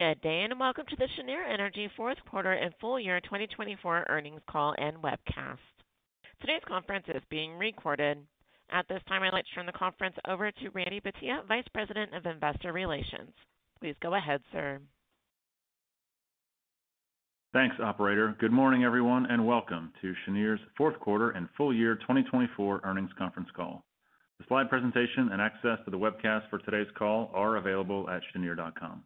Good day and welcome to the Cheniere Energy fourth quarter and full year 2024 earnings call and webcast. Today's conference is being recorded. At this time, I'd like to turn the conference over to Randy Bhatia, Vice President of Investor Relations. Please go ahead, sir. Thanks, Operator. Good morning, everyone, and welcome to Cheniere's fourth quarter and full year 2024 earnings conference call. The slide presentation and access to the webcast for today's call are available at cheniere.com.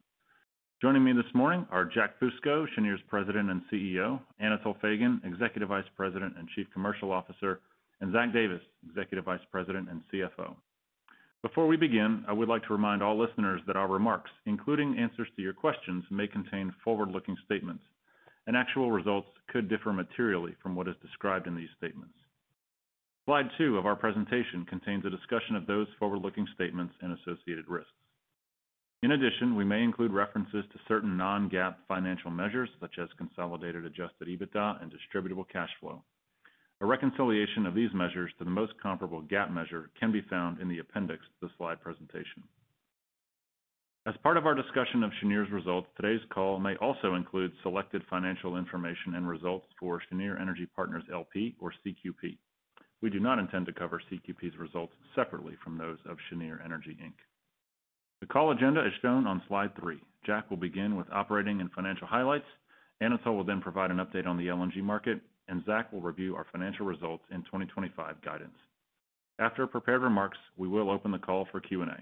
Joining me this morning are Jack Fusco, Cheniere's President and CEO, Anatol Feygin, Executive Vice President and Chief Commercial Officer, and Zach Davis, Executive Vice President and CFO. Before we begin, I would like to remind all listeners that our remarks, including answers to your questions, may contain forward-looking statements, and actual results could differ materially from what is described in these statements. Slide two of our presentation contains a discussion of those forward-looking statements and associated risks. In addition, we may include references to certain non-GAAP financial measures, such as consolidated Adjusted EBITDA and Distributable Cash Flow. A reconciliation of these measures to the most comparable GAAP measure can be found in the appendix to the slide presentation. As part of our discussion of Cheniere's results, today's call may also include selected financial information and results for Cheniere Energy Partners LP or CQP. We do not intend to cover CQP's results separately from those of Cheniere Energy Inc. The call agenda is shown on slide three. Jack will begin with operating and financial highlights. Anatol will then provide an update on the LNG market, and Zach will review our financial results and 2025 guidance. After prepared remarks, we will open the call for Q&A.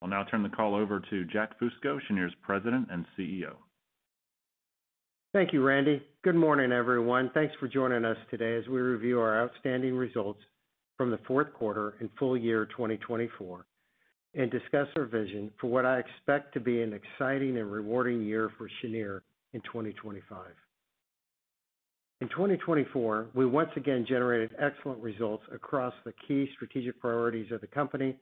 I'll now turn the call over to Jack Fusco, Cheniere's President and CEO. Thank you, Randy. Good morning, everyone. Thanks for joining us today as we review our outstanding results from the fourth quarter and full year 2024 and discuss our vision for what I expect to be an exciting and rewarding year for Cheniere in 2025. In 2024, we once again generated excellent results across the key strategic priorities of the company,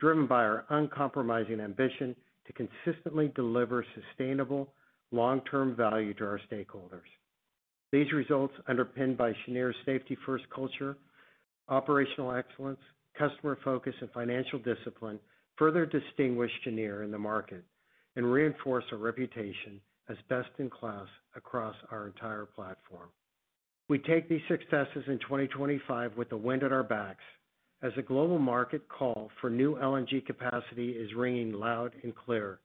driven by our uncompromising ambition to consistently deliver sustainable, long-term value to our stakeholders. These results, underpinned by Cheniere's safety-first culture, operational excellence, customer focus, and financial discipline, further distinguish Cheniere in the market and reinforce our reputation as best in class across our entire platform. We take these successes in 2025 with the wind at our backs as the global market call for new LNG capacity is ringing loud and clear.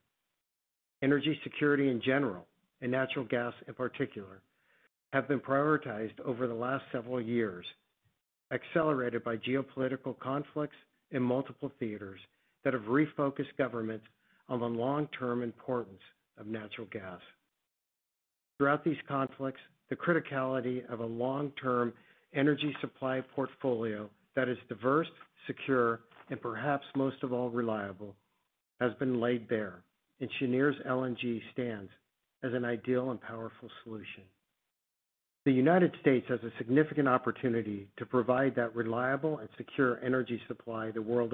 Energy security in general and natural gas in particular have been prioritized over the last several years, accelerated by geopolitical conflicts in multiple theaters that have refocused governments on the long-term importance of natural gas. Throughout these conflicts, the criticality of a long-term energy supply portfolio that is diverse, secure, and perhaps most of all reliable has been laid bare, and Cheniere's LNG stands as an ideal and powerful solution. The United States has a significant opportunity to provide that reliable and secure energy supply the world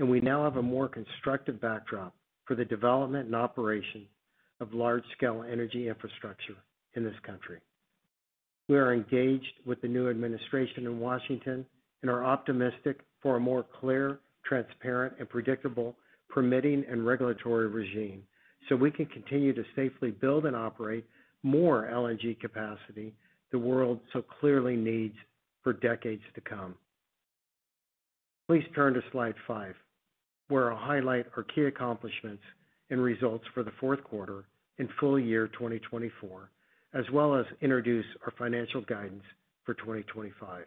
over, and we now have a more constructive backdrop for the development and operation of large-scale energy infrastructure in this country. We are engaged with the new administration in Washington and are optimistic for a more clear, transparent, and predictable permitting and regulatory regime so we can continue to safely build and operate more LNG capacity the world so clearly needs for decades to come. Please turn to slide five, where I'll highlight our key accomplishments and results for the fourth quarter and full year 2024, as well as introduce our financial guidance for 2025.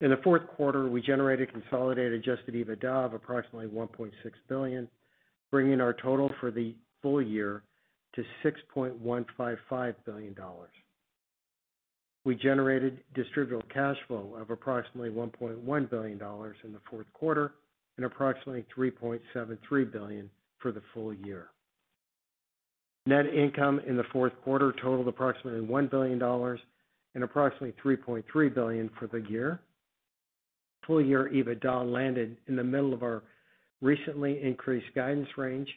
In the fourth quarter, we generated consolidated Adjusted EBITDA of approximately $1.6 billion, bringing our total for the full year to $6.155 billion. We generated Distributable Cash Flow of approximately $1.1 billion in the fourth quarter and approximately $3.73 billion for the full year. Net income in the fourth quarter totaled approximately $1 billion and approximately $3.3 billion for the year. Full year EBITDA landed in the middle of our recently increased guidance range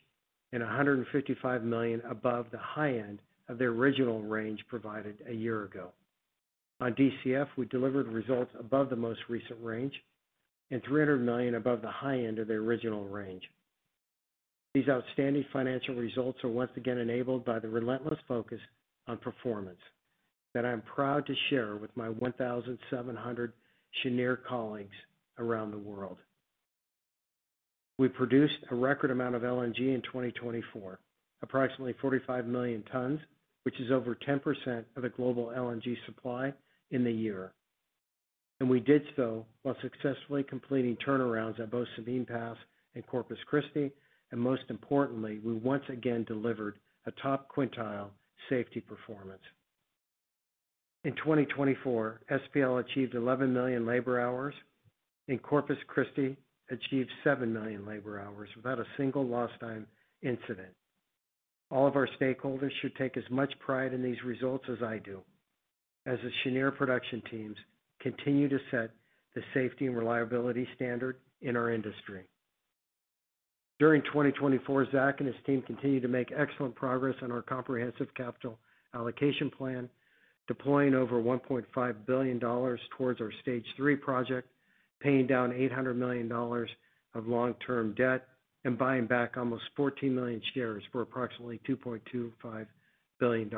and $155 million above the high end of the original range provided a year ago. On DCF, we delivered results above the most recent range and $300 million above the high end of the original range. These outstanding financial results are once again enabled by the relentless focus on performance that I'm proud to share with my 1,700 Cheniere colleagues around the world. We produced a record amount of LNG in 2024, approximately 45 million tons, which is over 10% of the global LNG supply in the year. And we did so while successfully completing turnarounds at both Sabine Pass and Corpus Christi, and most importantly, we once again delivered a top quintile safety performance. In 2024, SPL achieved 11 million labor hours, and Corpus Christi achieved 7 million labor hours without a single lost time incident. All of our stakeholders should take as much pride in these results as I do, as the Cheniere production teams continue to set the safety and reliability standard in our industry. During 2024, Zach and his team continued to make excellent progress on our comprehensive capital allocation plan, deploying over $1.5 billion towards our Stage 3 project, paying down $800 million of long-term debt, and buying back almost 14 million shares for approximately $2.25 billion.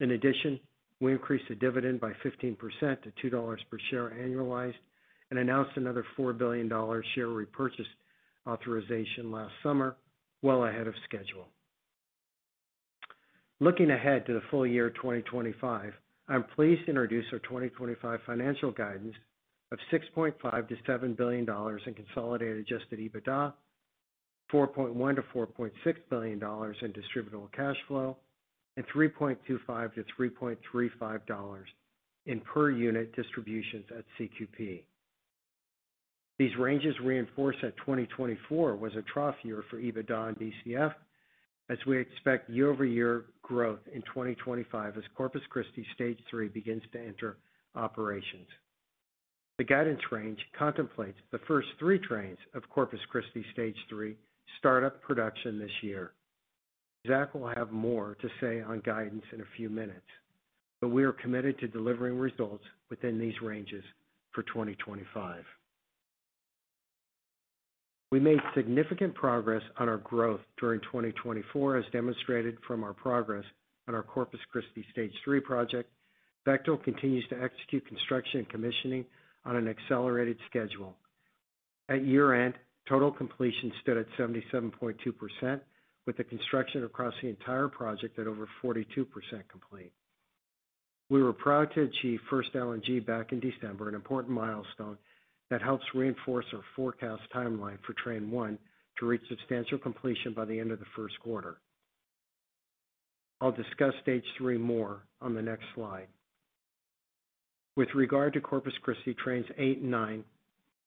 In addition, we increased the dividend by 15% to $2 per share annualized and announced another $4 billion share repurchase authorization last summer, well ahead of schedule. Looking ahead to the full year 2025, I'm pleased to introduce our 2025 financial guidance of $6.5 billion-$7 billion in consolidated Adjusted EBITDA, $4.1 billion-$4.6 billion in Distributable Cash Flow, and $3.25-$3.35 in per unit distributions at CQP. These ranges reinforce that 2024 was a trough year for EBITDA and DCF, as we expect year-over-year growth in 2025 as Corpus Christi Stage 3 begins to enter operations. The guidance range contemplates the first three trains of Corpus Christi Stage 3 startup production this year. Zach will have more to say on guidance in a few minutes, but we are committed to delivering results within these ranges for 2025. We made significant progress on our growth during 2024, as demonstrated from our progress on our Corpus Christi Stage 3 project. Bechtel continues to execute construction and commissioning on an accelerated schedule. At year-end, total completion stood at 77.2%, with the construction across the entire project at over 42% complete. We were proud to achieve first LNG back in December, an important milestone that helps reinforce our forecast timeline for Train 1 to reach substantial completion by the end of the first quarter. I'll discuss Stage 3 more on the next slide. With regard to Corpus Christi trains 8 and 9,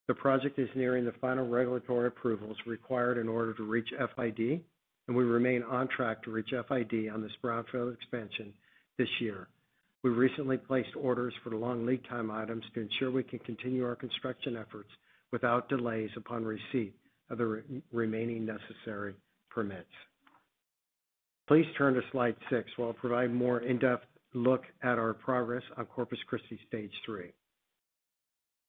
the project is nearing the final regulatory approvals required in order to reach FID, and we remain on track to reach FID on the Brownfield expansion this year. We recently placed orders for long lead time items to ensure we can continue our construction efforts without delays upon receipt of the remaining necessary permits. Please turn to slide six while I provide a more in-depth look at our progress on Corpus Christi Stage 3.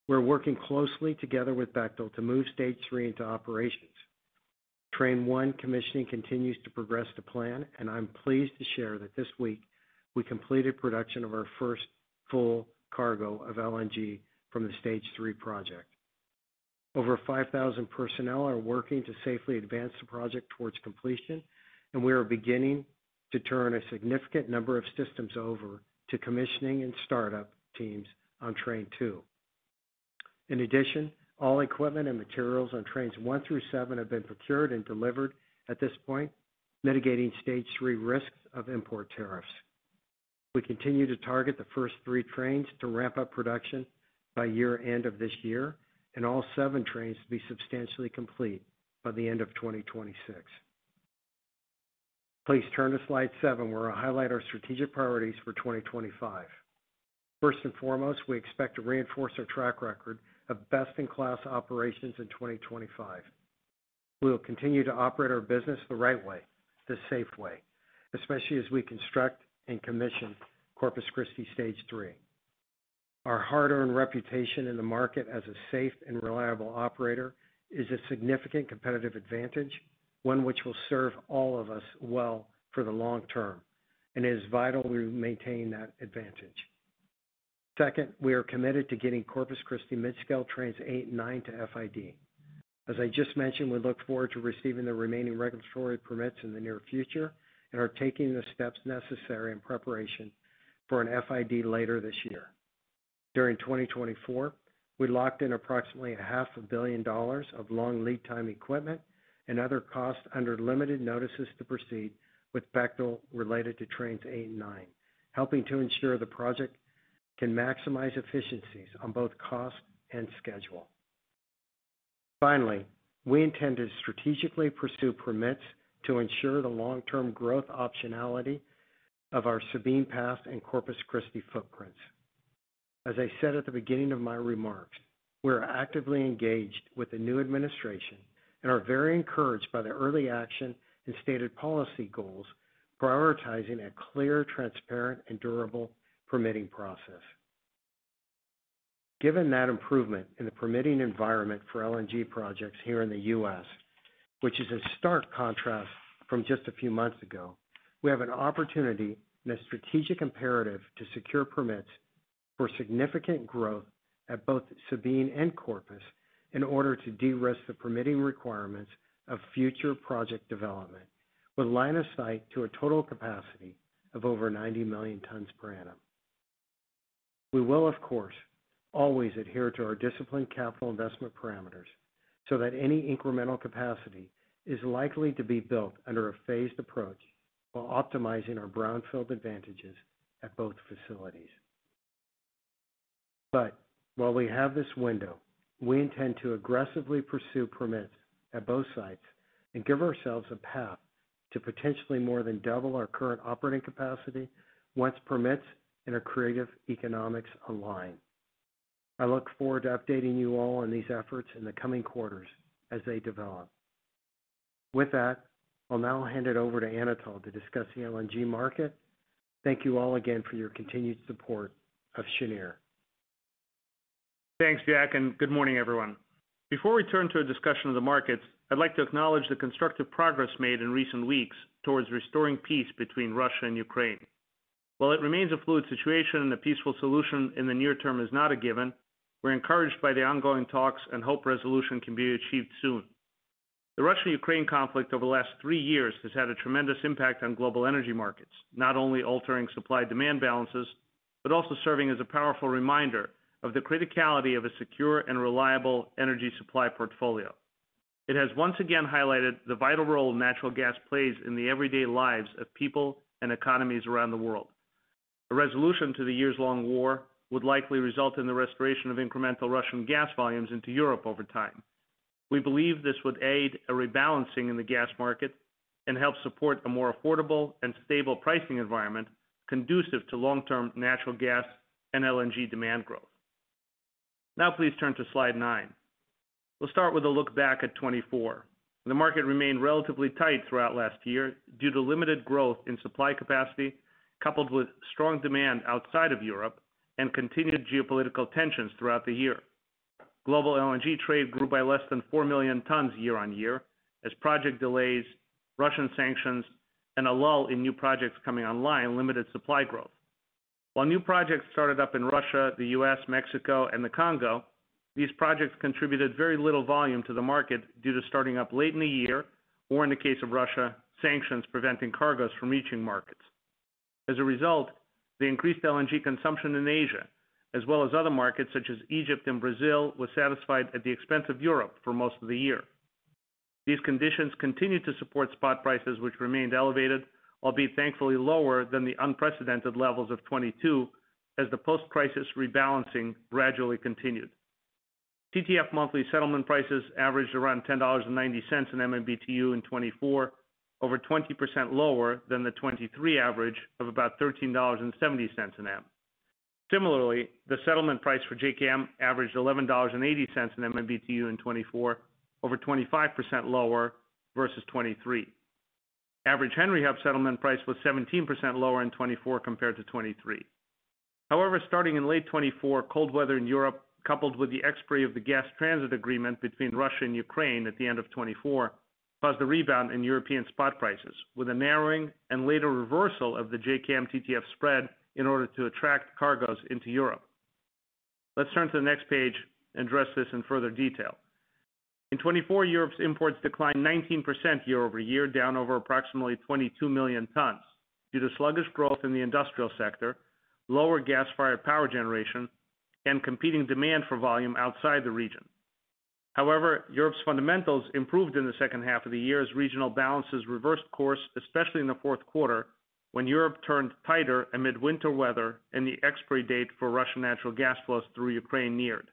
We're working closely together with Bechtel to move Stage 3 into operations. Train 1 commissioning continues to progress to plan, and I'm pleased to share that this week we completed production of our first full cargo of LNG from the Stage 3 project. Over 5,000 personnel are working to safely advance the project towards completion, and we are beginning to turn a significant number of systems over to commissioning and startup teams on Train 2. In addition, all equipment and materials on Trains 1 through 7 have been procured and delivered at this point, mitigating Stage 3 risks of import tariffs. We continue to target the first three trains to ramp up production by year-end of this year and all seven trains to be substantially complete by the end of 2026. Please turn to slide seven, where I highlight our strategic priorities for 2025. First and foremost, we expect to reinforce our track record of best in class operations in 2025. We will continue to operate our business the right way, the safe way, especially as we construct and commission Corpus Christi Stage 3. Our hard-earned reputation in the market as a safe and reliable operator is a significant competitive advantage, one which will serve all of us well for the long term, and it is vital we maintain that advantage. Second, we are committed to getting Corpus Christi mid-scale Trains 8 and 9 to FID. As I just mentioned, we look forward to receiving the remaining regulatory permits in the near future and are taking the steps necessary in preparation for an FID later this year. During 2024, we locked in approximately $500 million of long lead time equipment and other costs under limited notices to proceed with Bechtel related to Trains 8 and 9, helping to ensure the project can maximize efficiencies on both cost and schedule. Finally, we intend to strategically pursue permits to ensure the long-term growth optionality of our Sabine Pass and Corpus Christi footprints. As I said at the beginning of my remarks, we are actively engaged with the new administration and are very encouraged by the early action and stated policy goals, prioritizing a clear, transparent, and durable permitting process. Given that improvement in the permitting environment for LNG projects here in the U.S., which is a stark contrast from just a few months ago, we have an opportunity and a strategic imperative to secure permits for significant growth at both Sabine and Corpus in order to de-risk the permitting requirements of future project development, with line of sight to a total capacity of over 90 million tons per annum. We will, of course, always adhere to our disciplined capital investment parameters so that any incremental capacity is likely to be built under a phased approach while optimizing our brownfield advantages at both facilities. But while we have this window, we intend to aggressively pursue permits at both sites and give ourselves a path to potentially more than double our current operating capacity once permits and our creative economics align. I look forward to updating you all on these efforts in the coming quarters as they develop. With that, I'll now hand it over to Anatol to discuss the LNG market. Thank you all again for your continued support of Cheniere. Thanks, Jack, and good morning, everyone. Before we turn to a discussion of the markets, I'd like to acknowledge the constructive progress made in recent weeks towards restoring peace between Russia and Ukraine. While it remains a fluid situation and a peaceful solution in the near term is not a given, we're encouraged by the ongoing talks and hope resolution can be achieved soon. The Russia-Ukraine conflict over the last three years has had a tremendous impact on global energy markets, not only altering supply-demand balances, but also serving as a powerful reminder of the criticality of a secure and reliable energy supply portfolio. It has once again highlighted the vital role natural gas plays in the everyday lives of people and economies around the world. A resolution to the years-long war would likely result in the restoration of incremental Russian gas volumes into Europe over time. We believe this would aid a rebalancing in the gas market and help support a more affordable and stable pricing environment conducive to long-term natural gas and LNG demand growth. Now, please turn to slide nine. We'll start with a look back at 2024. The market remained relatively tight throughout last year due to limited growth in supply capacity, coupled with strong demand outside of Europe and continued geopolitical tensions throughout the year. Global LNG trade grew by less than four million tons year-on-year as project delays, Russian sanctions, and a lull in new projects coming online limited supply growth. While new projects started up in Russia, the U.S., Mexico, and the Congo, these projects contributed very little volume to the market due to starting up late in the year or, in the case of Russia, sanctions preventing cargoes from reaching markets. As a result, the increased LNG consumption in Asia, as well as other markets such as Egypt and Brazil, was satisfied at the expense of Europe for most of the year. These conditions continued to support spot prices, which remained elevated, albeit thankfully lower than the unprecedented levels of 2022 as the post-crisis rebalancing gradually continued. TTF monthly settlement prices averaged around $10.90/MMBtu in 2024, over 20% lower than the 2023 average of about $13.70/MMBtu. Similarly, the settlement price for JKM averaged $11.80/MMBtu in 2024, over 25% lower versus 2023. Average Henry Hub settlement price was 17% lower in 2024 compared to 2023. However, starting in late 2024, cold weather in Europe, coupled with the expiry of the gas transit agreement between Russia and Ukraine at the end of 2024, caused a rebound in European spot prices, with a narrowing and later reversal of the JKM-TTF spread in order to attract cargoes into Europe. Let's turn to the next page and address this in further detail. In 2024, Europe's imports declined 19% year-over-year, down over approximately 22 million tons due to sluggish growth in the industrial sector, lower gas-fired power generation, and competing demand for volume outside the region. However, Europe's fundamentals improved in the second half of the year as regional balances reversed course, especially in the fourth quarter when Europe turned tighter amid winter weather and the expiry date for Russian natural gas flows through Ukraine neared.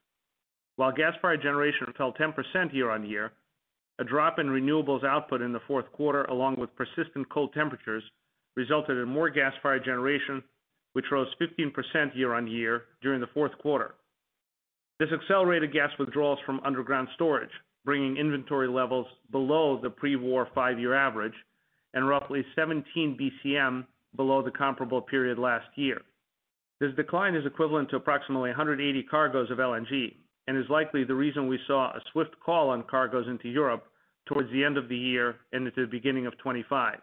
While gas-fired generation fell 10% year-on-year, a drop in renewables output in the fourth quarter, along with persistent cold temperatures, resulted in more gas-fired generation, which rose 15% year-on-year during the fourth quarter. This accelerated gas withdrawals from underground storage, bringing inventory levels below the pre-war five-year average and roughly 17 BCM below the comparable period last year. This decline is equivalent to approximately 180 cargoes of LNG and is likely the reason we saw a swift call on cargoes into Europe towards the end of the year and into the beginning of 2025.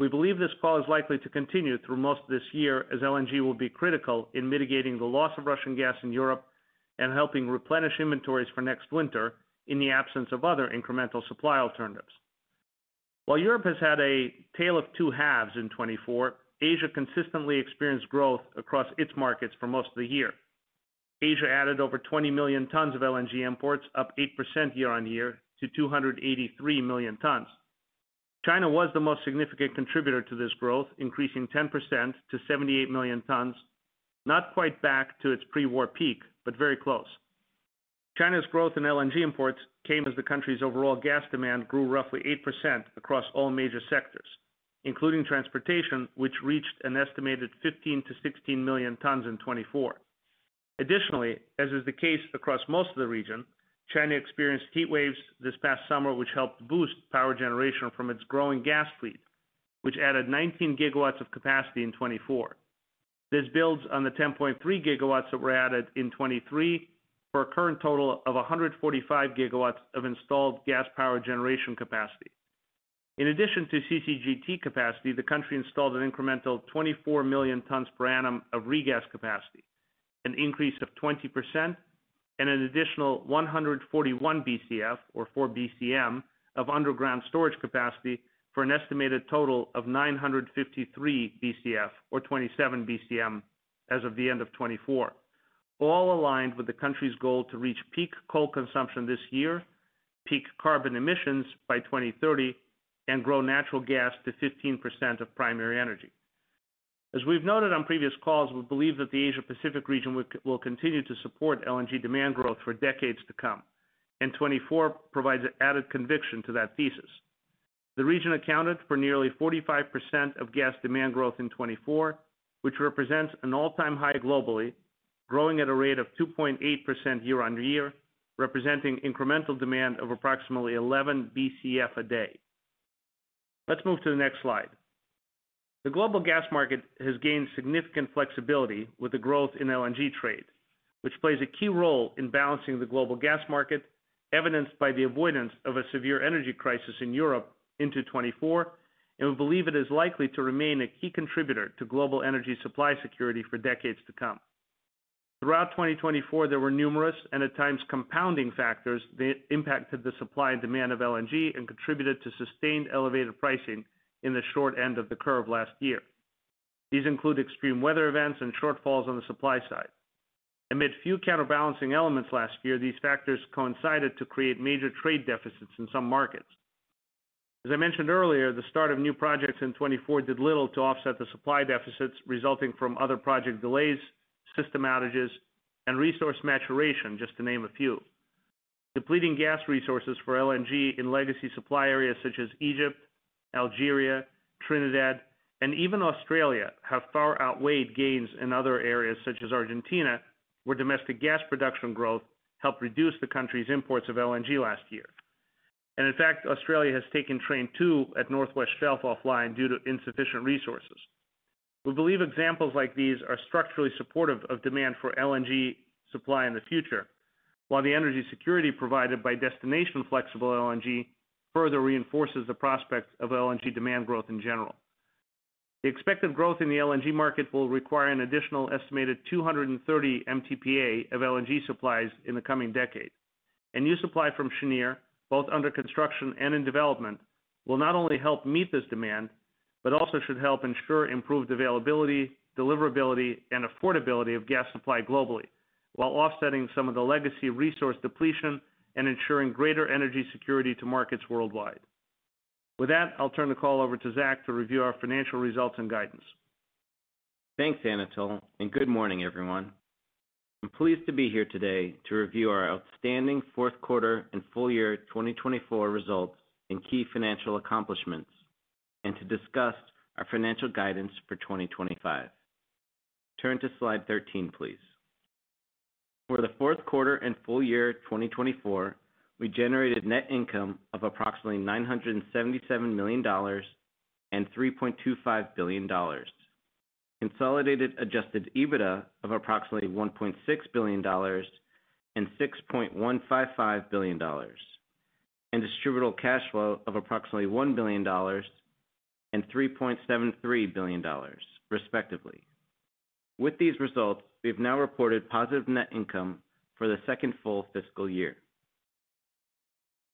We believe this call is likely to continue through most of this year as LNG will be critical in mitigating the loss of Russian gas in Europe and helping replenish inventories for next winter in the absence of other incremental supply alternatives. While Europe has had a tale of two halves in 2024, Asia consistently experienced growth across its markets for most of the year. Asia added over 20 million tons of LNG imports, up 8% year-on-year to 283 million tons. China was the most significant contributor to this growth, increasing 10% to 78 million tons, not quite back to its pre-war peak, but very close. China's growth in LNG imports came as the country's overall gas demand grew roughly 8% across all major sectors, including transportation, which reached an estimated 15-16 million tons in 2024. Additionally, as is the case across most of the region, China experienced heat waves this past summer, which helped boost power generation from its growing gas fleet, which added 19 GW of capacity in 2024. This builds on the 10.3 GW that were added in 2023 for a current total of 145 GW of installed gas power generation capacity. In addition to CCGT capacity, the country installed an incremental 24 million tons per annum of regas capacity, an increase of 20%, and an additional 141 Bcf, or four Bcm, of underground storage capacity for an estimated total of 953 Bcf, or 27 Bcm, as of the end of 2024, all aligned with the country's goal to reach peak coal consumption this year, peak carbon emissions by 2030, and grow natural gas to 15% of primary energy. As we've noted on previous calls, we believe that the Asia-Pacific region will continue to support LNG demand growth for decades to come, and 2024 provides added conviction to that thesis. The region accounted for nearly 45% of gas demand growth in 2024, which represents an all-time high globally, growing at a rate of 2.8% year-on-year, representing incremental demand of approximately 11 BCF a day. Let's move to the next slide. The global gas market has gained significant flexibility with the growth in LNG trade, which plays a key role in balancing the global gas market, evidenced by the avoidance of a severe energy crisis in Europe into 2024, and we believe it is likely to remain a key contributor to global energy supply security for decades to come. Throughout 2024, there were numerous and at times compounding factors that impacted the supply and demand of LNG and contributed to sustained elevated pricing in the short end of the curve last year. These include extreme weather events and shortfalls on the supply side. Amid few counterbalancing elements last year, these factors coincided to create major trade deficits in some markets. As I mentioned earlier, the start of new projects in 2024 did little to offset the supply deficits resulting from other project delays, system outages, and resource maturation, just to name a few. Depleting gas resources for LNG in legacy supply areas such as Egypt, Algeria, Trinidad, and even Australia have far outweighed gains in other areas such as Argentina, where domestic gas production growth helped reduce the country's imports of LNG last year. And in fact, Australia has taken North West Shelf Train 2 offline due to insufficient resources. We believe examples like these are structurally supportive of demand for LNG supply in the future, while the energy security provided by destination flexible LNG further reinforces the prospect of LNG demand growth in general. The expected growth in the LNG market will require an additional estimated 230 Mtpa of LNG supplies in the coming decade, and new supply from Cheniere, both under construction and in development, will not only help meet this demand, but also should help ensure improved availability, deliverability, and affordability of gas supply globally, while offsetting some of the legacy resource depletion and ensuring greater energy security to markets worldwide. With that, I'll turn the call over to Zach to review our financial results and guidance. Thanks, Anatol, and good morning, everyone. I'm pleased to be here today to review our outstanding fourth quarter and full year 2024 results and key financial accomplishments, and to discuss our financial guidance for 2025. Turn to slide 13, please. For the fourth quarter and full year 2024, we generated net income of approximately $977 million and $3.25 billion, consolidated Adjusted EBITDA of approximately $1.6 billion and $6.155 billion, and Distributable Cash Flow of approximately $1 billion and $3.73 billion, respectively. With these results, we have now reported positive net income for the second full fiscal year.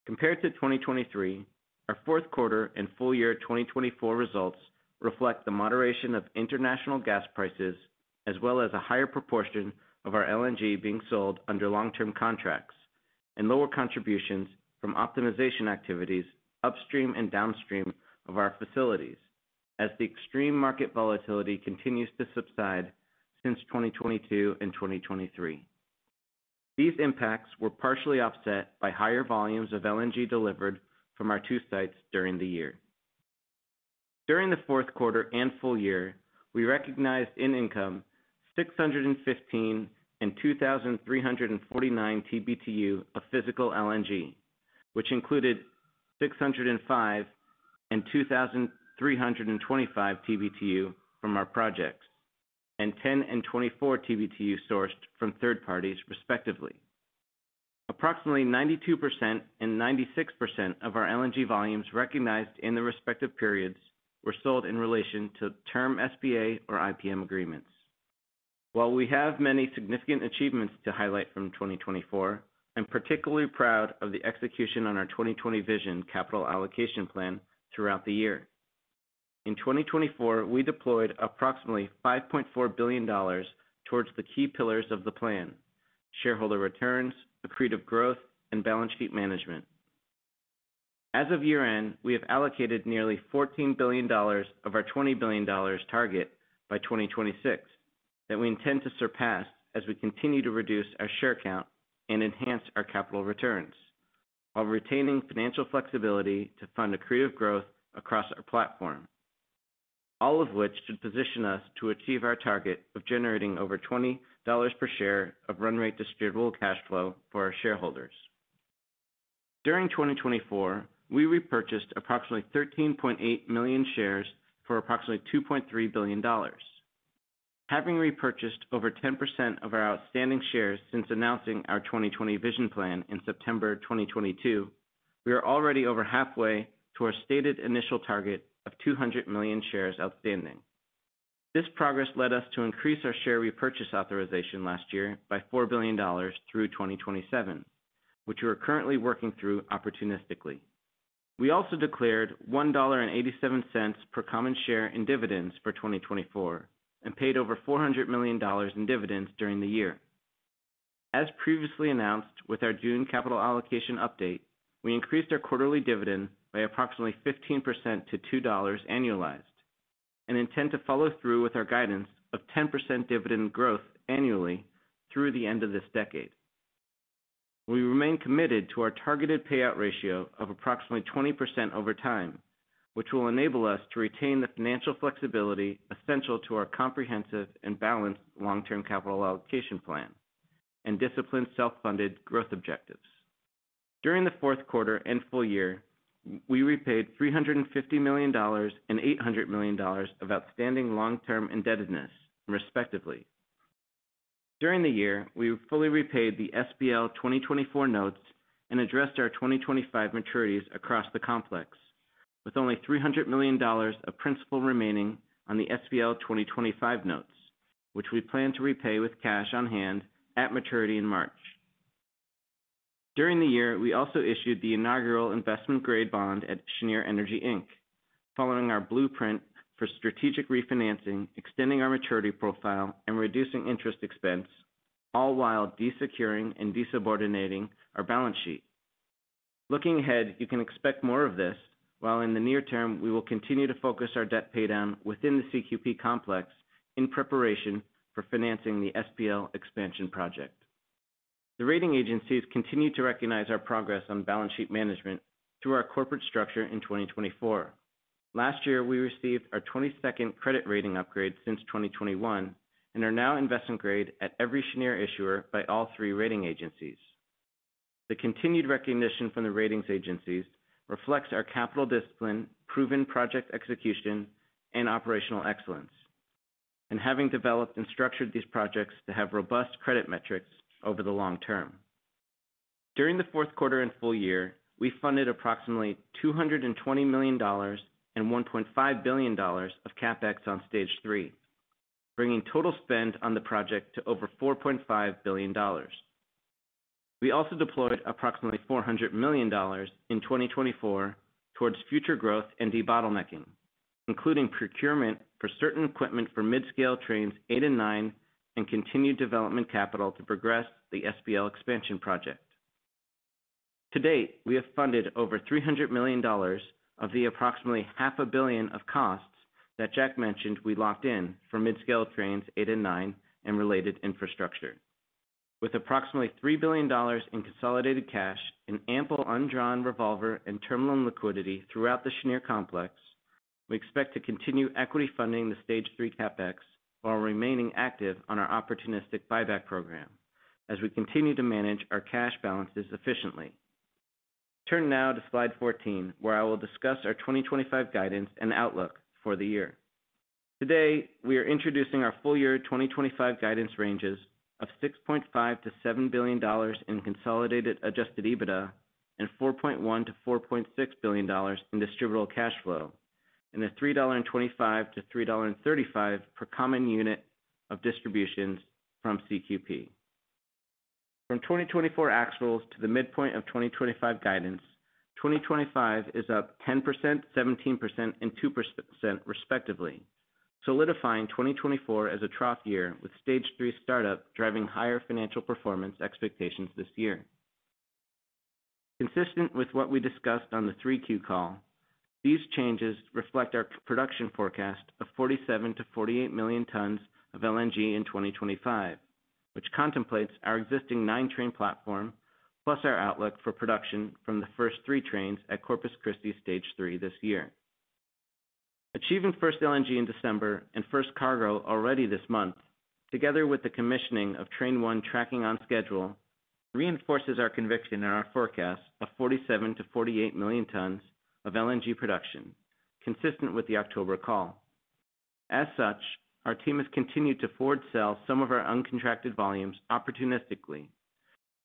Compared to 2023, our fourth quarter and full year 2024 results reflect the moderation of international gas prices, as well as a higher proportion of our LNG being sold under long-term contracts and lower contributions from optimization activities upstream and downstream of our facilities, as the extreme market volatility continues to subside since 2022 and 2023. These impacts were partially offset by higher volumes of LNG delivered from our two sites during the year. During the fourth quarter and full year, we recognized in income 615 and 2,349 TBtu of physical LNG, which included 605 and 2,325 TBtu from our projects, and 10 and 24 TBtu sourced from third parties, respectively. Approximately 92% and 96% of our LNG volumes recognized in the respective periods were sold in relation to term SPA or IPM agreements. While we have many significant achievements to highlight from 2024, I'm particularly proud of the execution on our 20/20 Vision Capital Allocation Plan throughout the year. In 2024, we deployed approximately $5.4 billion towards the key pillars of the plan: shareholder returns, accretive growth, and balance sheet management. As of year-end, we have allocated nearly $14 billion of our $20 billion target by 2026 that we intend to surpass as we continue to reduce our share count and enhance our capital returns, while retaining financial flexibility to fund accretive growth across our platform, all of which should position us to achieve our target of generating over $20 per share of run rate distributable cash flow for our shareholders. During 2024, we repurchased approximately 13.8 million shares for approximately $2.3 billion. Having repurchased over 10% of our outstanding shares since announcing our 20/20 Vision Plan in September 2022, we are already over halfway to our stated initial target of 200 million shares outstanding. This progress led us to increase our share repurchase authorization last year by $4 billion through 2027, which we are currently working through opportunistically. We also declared $1.87 per common share in dividends for 2024 and paid over $400 million in dividends during the year. As previously announced with our June capital allocation update, we increased our quarterly dividend by approximately 15% to $2 annualized and intend to follow through with our guidance of 10% dividend growth annually through the end of this decade. We remain committed to our targeted payout ratio of approximately 20% over time, which will enable us to retain the financial flexibility essential to our comprehensive and balanced long-term capital allocation plan and disciplined self-funded growth objectives. During the fourth quarter and full year, we repaid $350 million and $800 million of outstanding long-term indebtedness, respectively. During the year, we fully repaid the SPL 2024 notes and addressed our 2025 maturities across the complex, with only $300 million of principal remaining on the SPL 2025 notes, which we plan to repay with cash on hand at maturity in March. During the year, we also issued the inaugural investment-grade bond at Cheniere Energy, Inc., following our blueprint for strategic refinancing, extending our maturity profile, and reducing interest expense, all while desecuring and desubordinating our balance sheet. Looking ahead, you can expect more of this, while in the near term, we will continue to focus our debt paydown within the CQP complex in preparation for financing the SPL Expansion project. The rating agencies continue to recognize our progress on balance sheet management through our corporate structure in 2024. Last year, we received our 22nd credit rating upgrade since 2021 and are now investment-grade at every Cheniere issuer by all three rating agencies. The continued recognition from the rating agencies reflects our capital discipline, proven project execution, and operational excellence, and having developed and structured these projects to have robust credit metrics over the long term. During the fourth quarter and full year, we funded approximately $220 million and $1.5 billion of CapEx on Stage 3, bringing total spend on the project to over $4.5 billion. We also deployed approximately $400 million in 2024 towards future growth and debottlenecking, including procurement for certain equipment for mid-scale Trains 8 and 9 and continued development capital to progress the SPL Expansion project. To date, we have funded over $300 million of the approximately $500 million of costs that Jack mentioned we locked in for mid-scale Trains 8 and 9 and related infrastructure. With approximately $3 billion in consolidated cash and ample undrawn revolver and terminal liquidity throughout the Cheniere complex, we expect to continue equity funding the Stage 3 CapEx while remaining active on our opportunistic buyback program as we continue to manage our cash balances efficiently. Turn now to slide 14, where I will discuss our 2025 guidance and outlook for the year. Today, we are introducing our full year 2025 guidance ranges of $6.5 billion-$7 billion in consolidated Adjusted EBITDA and $4.1 billion-$4.6 billion in Distributable Cash Flow and a $3.25-$3.35 per common unit of distributions from CQP. From 2024 actual to the midpoint of 2025 guidance, 2025 is up 10%, 17%, and 2%, respectively, solidifying 2024 as a trough year with Stage 3 startup driving higher financial performance expectations this year. Consistent with what we discussed on the 3Q call, these changes reflect our production forecast of 47-48 million tons of LNG in 2025, which contemplates our existing nine-train platform plus our outlook for production from the first three trains at Corpus Christi Stage 3 this year. Achieving first LNG in December and first cargo already this month, together with the commissioning of Train 1 tracking on schedule, reinforces our conviction in our forecast of 47-48 million tons of LNG production, consistent with the October call. As such, our team has continued to forward sell some of our uncontracted volumes opportunistically,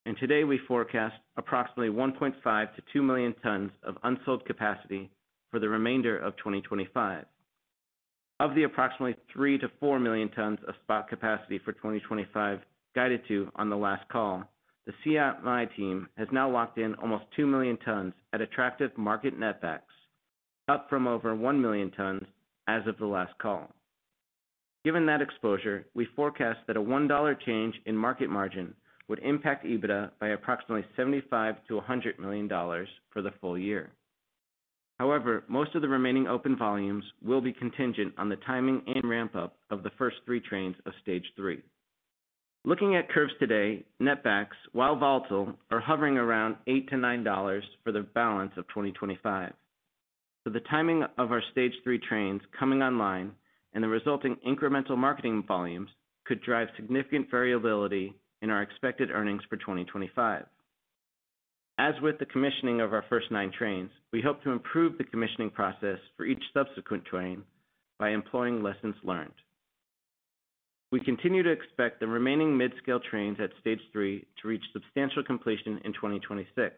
and today we forecast approximately 1.5-2 million tons of unsold capacity for the remainder of 2025. Of the approximately 3-4 million tons of spot capacity for 2025 guided to on the last call, the CMI team has now locked in almost 2 million tons at attractive market netback, up from over 1 million tons as of the last call. Given that exposure, we forecast that a $1 change in market margin would impact EBITDA by approximately $75 million-$100 million for the full year. However, most of the remaining open volumes will be contingent on the timing and ramp-up of the first three trains of Stage 3. Looking at curves today, netbacks, while volatile, are hovering around $8-$9 for the balance of 2025. So the timing of our Stage 3 trains coming online and the resulting incremental marketing volumes could drive significant variability in our expected earnings for 2025. As with the commissioning of our first nine trains, we hope to improve the commissioning process for each subsequent train by employing lessons learned. We continue to expect the remaining mid-scale trains at Stage 3 to reach substantial completion in 2026,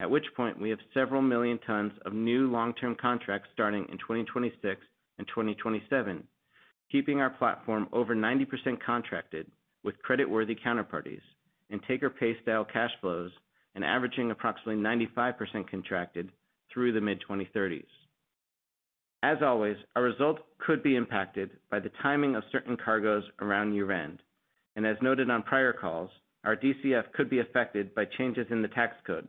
at which point we have several million tons of new long-term contracts starting in 2026 and 2027, keeping our platform over 90% contracted with creditworthy counterparties and take-or-pay style cash flows and averaging approximately 95% contracted through the mid-2030s. As always, our result could be impacted by the timing of certain cargoes around year-end, and as noted on prior calls, our DCF could be affected by changes in the tax code,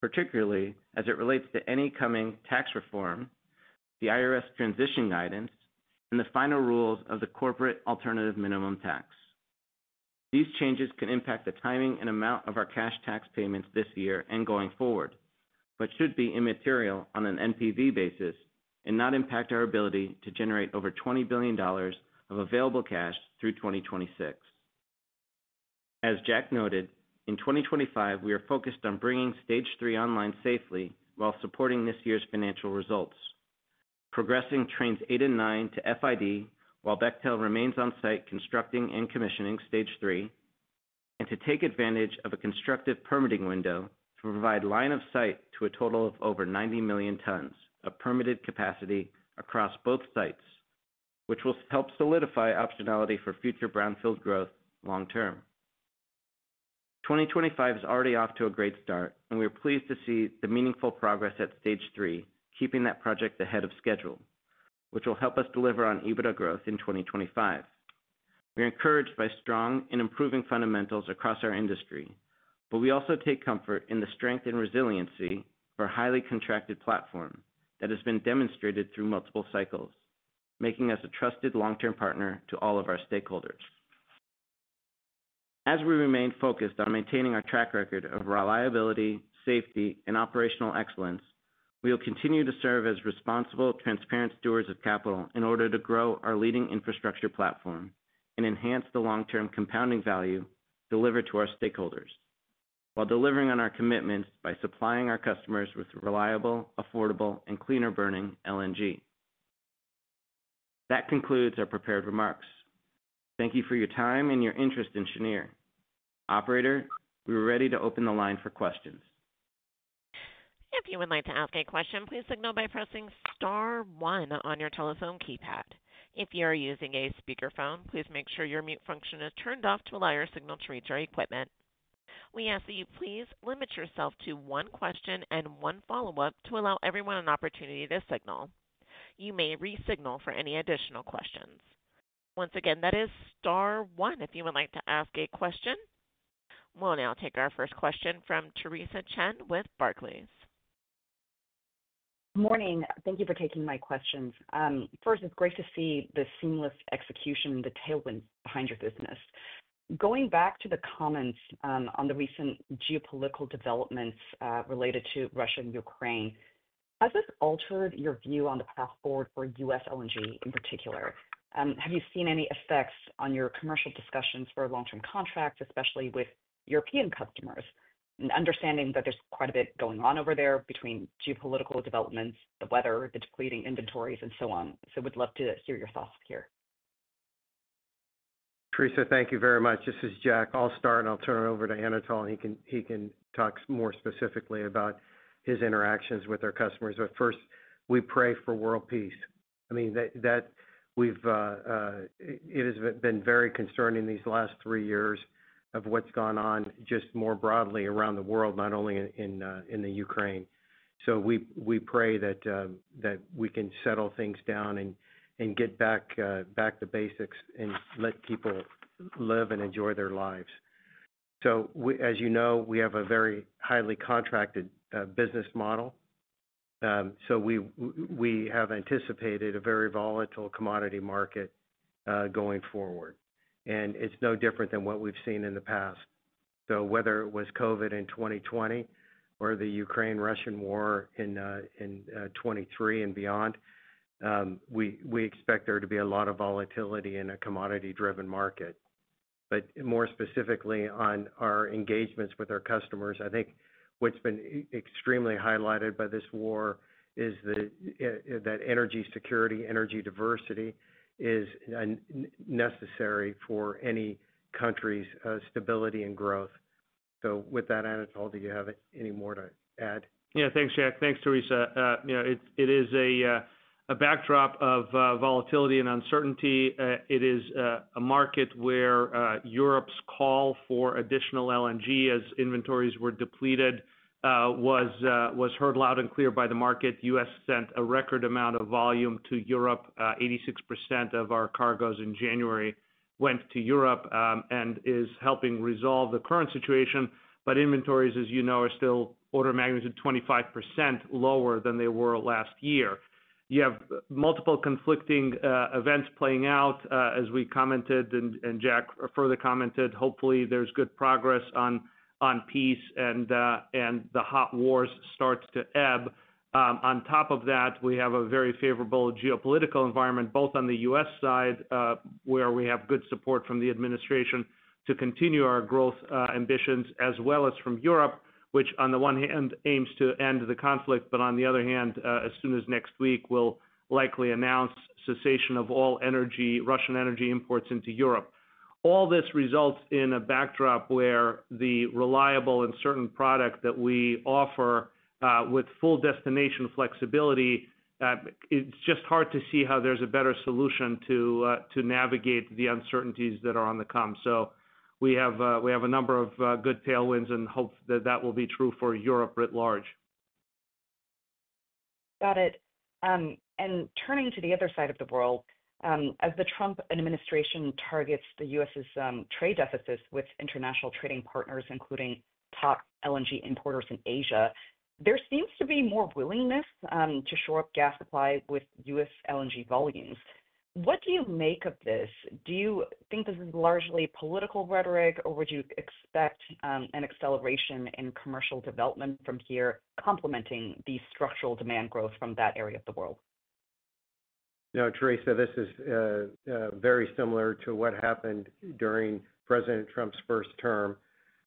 particularly as it relates to any coming tax reform, the IRS transition guidance, and the final rules of the corporate alternative minimum tax. These changes can impact the timing and amount of our cash tax payments this year and going forward, but should be immaterial on an NPV basis and not impact our ability to generate over $20 billion of available cash through 2026. As Jack noted, in 2025, we are focused on bringing Stage 3 online safely while supporting this year's financial results, progressing Trains 8 and 9 to FID while Bechtel remains on site constructing and commissioning Stage 3, and to take advantage of a constructive permitting window to provide line of sight to a total of over 90 million tons of permitted capacity across both sites, which will help solidify optionality for future brownfield growth long term. 2025 is already off to a great start, and we are pleased to see the meaningful progress at Stage 3, keeping that project ahead of schedule, which will help us deliver on EBITDA growth in 2025. We are encouraged by strong and improving fundamentals across our industry, but we also take comfort in the strength and resiliency of our highly contracted platform that has been demonstrated through multiple cycles, making us a trusted long-term partner to all of our stakeholders. As we remain focused on maintaining our track record of reliability, safety, and operational excellence, we will continue to serve as responsible, transparent stewards of capital in order to grow our leading infrastructure platform and enhance the long-term compounding value delivered to our stakeholders while delivering on our commitments by supplying our customers with reliable, affordable, and cleaner-burning LNG. That concludes our prepared remarks. Thank you for your time and your interest in Cheniere. Operator, we are ready to open the line for questions. If you would like to ask a question, please signal by pressing star one on your telephone keypad. If you are using a speakerphone, please make sure your mute function is turned off to allow your signal to reach our equipment. We ask that you please limit yourself to one question and one follow-up to allow everyone an opportunity to signal. You may re-signal for any additional questions. Once again, that is star one if you would like to ask a question. We'll now take our first question from Theresa Chen with Barclays. Good morning. Thank you for taking my questions. First, it's great to see the seamless execution and detail behind your business. Going back to the comments on the recent geopolitical developments related to Russia and Ukraine, has this altered your view on the path forward for U.S. LNG in particular? Have you seen any effects on your commercial discussions for long-term contracts, especially with European customers, understanding that there's quite a bit going on over there between geopolitical developments, the weather, the depleting inventories, and so on? So we'd love to hear your thoughts here. Theresa, thank you very much. This is Jack. I'll start and I'll turn it over to Anatol. He can talk more specifically about his interactions with our customers. But first, we pray for world peace. I mean, that it has been very concerning these last three years of what's gone on just more broadly around the world, not only in the Ukraine. So we pray that we can settle things down and get back to the basics and let people live and enjoy their lives. So as you know, we have a very highly contracted business model. So we have anticipated a very volatile commodity market going forward, and it's no different than what we've seen in the past. So whether it was COVID in 2020 or the Ukraine-Russian war in 2023 and beyond, we expect there to be a lot of volatility in a commodity-driven market. But more specifically on our engagements with our customers, I think what's been extremely highlighted by this war is that energy security, energy diversity is necessary for any country's stability and growth. So with that, Anatol, do you have any more to add? Yeah, thanks, Jack. Thanks, Theresa. It is a backdrop of volatility and uncertainty. It is a market where Europe's call for additional LNG, as inventories were depleted, was heard loud and clear by the market. The U.S. sent a record amount of volume to Europe. 86% of our cargoes in January went to Europe and is helping resolve the current situation. But inventories, as you know, are still order of magnitude 25% lower than they were last year. You have multiple conflicting events playing out, as we commented, and Jack further commented. Hopefully, there's good progress on peace and the hot wars start to ebb. On top of that, we have a very favorable geopolitical environment, both on the U.S. side, where we have good support from the administration to continue our growth ambitions, as well as from Europe, which on the one hand aims to end the conflict, but on the other hand, as soon as next week, will likely announce cessation of all Russian energy imports into Europe. All this results in a backdrop where the reliable and certain product that we offer with full destination flexibility, it's just hard to see how there's a better solution to navigate the uncertainties that are on the come. So we have a number of good tailwinds and hope that that will be true for Europe writ large. Got it. And turning to the other side of the world, as the Trump administration targets the U.S.'s trade deficit with international trading partners, including top LNG importers in Asia, there seems to be more willingness to shore up gas supply with U.S. LNG volumes. What do you make of this? Do you think this is largely political rhetoric, or would you expect an acceleration in commercial development from here complementing the structural demand growth from that area of the world? No, Theresa, this is very similar to what happened during President Trump's first term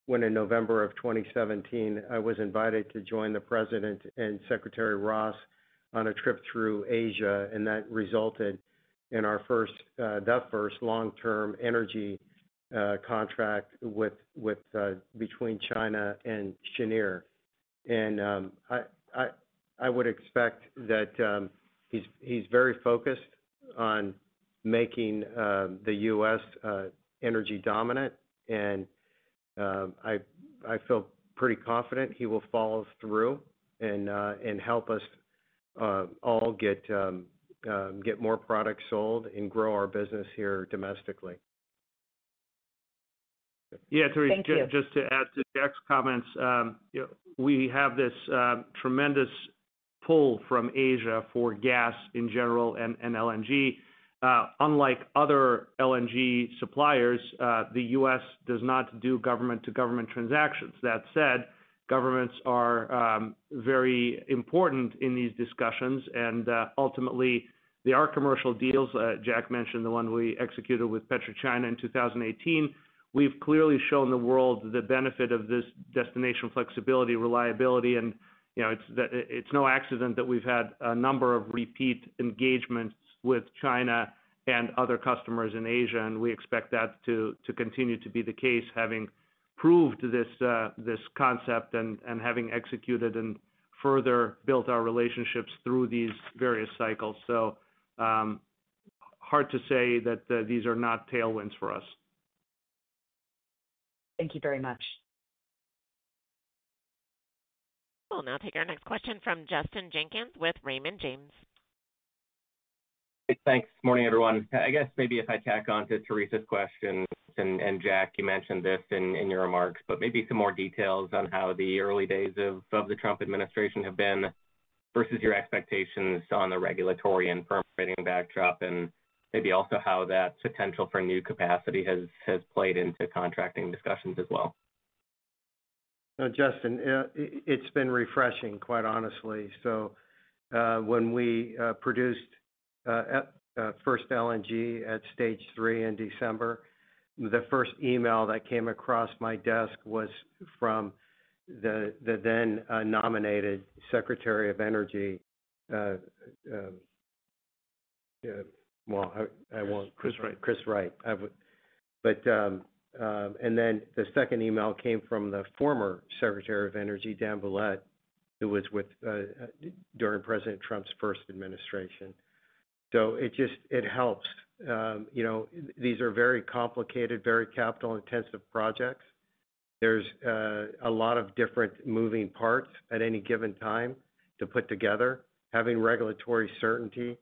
when in November of 2017, I was invited to join the President and Secretary Ross on a trip through Asia, and that resulted in our first, the first long-term energy contract between China and Cheniere, and I would expect that he's very focused on making the U.S. energy dominant, and I feel pretty confident he will follow through and help us all get more products sold and grow our business here domestically. Yeah, Theresa, just to add to Jack's comments, we have this tremendous pull from Asia for gas in general and LNG. Unlike other LNG suppliers, the U.S. does not do government-to-government transactions. That said, governments are very important in these discussions, and ultimately, there are commercial deals. Jack mentioned the one we executed with PetroChina in 2018. We've clearly shown the world the benefit of this destination flexibility, reliability, and it's no accident that we've had a number of repeat engagements with China and other customers in Asia, and we expect that to continue to be the case, having proved this concept and having executed and further built our relationships through these various cycles, so hard to say that these are not tailwinds for us. Thank you very much. We'll now take our next question from Justin Jenkins with Raymond James. Thanks. Good morning, everyone. I guess maybe if I tack on to Theresa's question, and Jack, you mentioned this in your remarks, but maybe some more details on how the early days of the Trump administration have been versus your expectations on the regulatory and permitting backdrop, and maybe also how that potential for new capacity has played into contracting discussions as well. No, Justin, it's been refreshing, quite honestly. So when we produced first LNG at Stage 3 in December, the first email that came across my desk was from the then-nominated Secretary of Energy. Well, I won't. Chris Wright. Chris Wright. But and then the second email came from the former Secretary of Energy, Dan Brouillette, who was with during President Trump's first administration. So it helps. These are very complicated, very capital-intensive projects. There's a lot of different moving parts at any given time to put together. Having regulatory certainty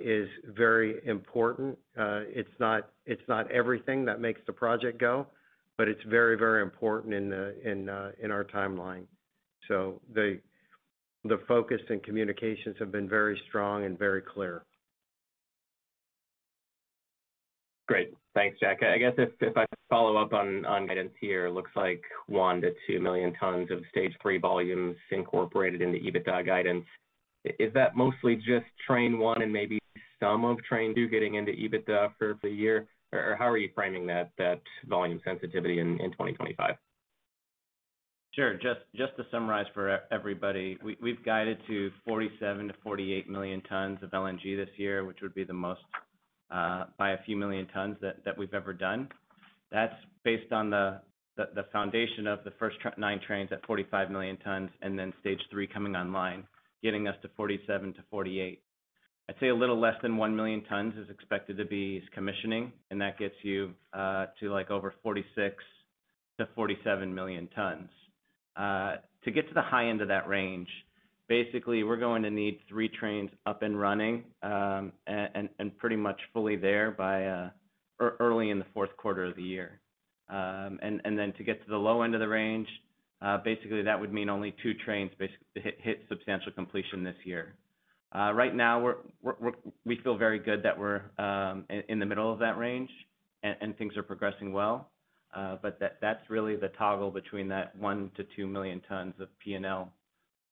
is very important. It's not everything that makes the project go, but it's very, very important in our timeline. So the focus and communications have been very strong and very clear. Great. Thanks, Jack. I guess if I follow up on guidance here, it looks like one to two million tons of Stage 3 volumes incorporated into EBITDA guidance. Is that mostly just Train 1 and maybe some of Train 2 getting into EBITDA for the year, or how are you framing that volume sensitivity in 2025? Sure. Just to summarize for everybody, we've guided to 47-48 million tons of LNG this year, which would be the most by a few million tons that we've ever done. That's based on the foundation of the first nine trains at 45 million tons and then Stage 3 coming online, getting us to 47-48. I'd say a little less than one million tons is expected to be commissioning, and that gets you to like over 46-47 million tons. To get to the high end of that range, basically, we're going to need three trains up and running and pretty much fully there by early in the fourth quarter of the year. And then to get to the low end of the range, basically, that would mean only two trains hit substantial completion this year. Right now, we feel very good that we're in the middle of that range and things are progressing well, but that's really the toggle between that one to two million tons of P&L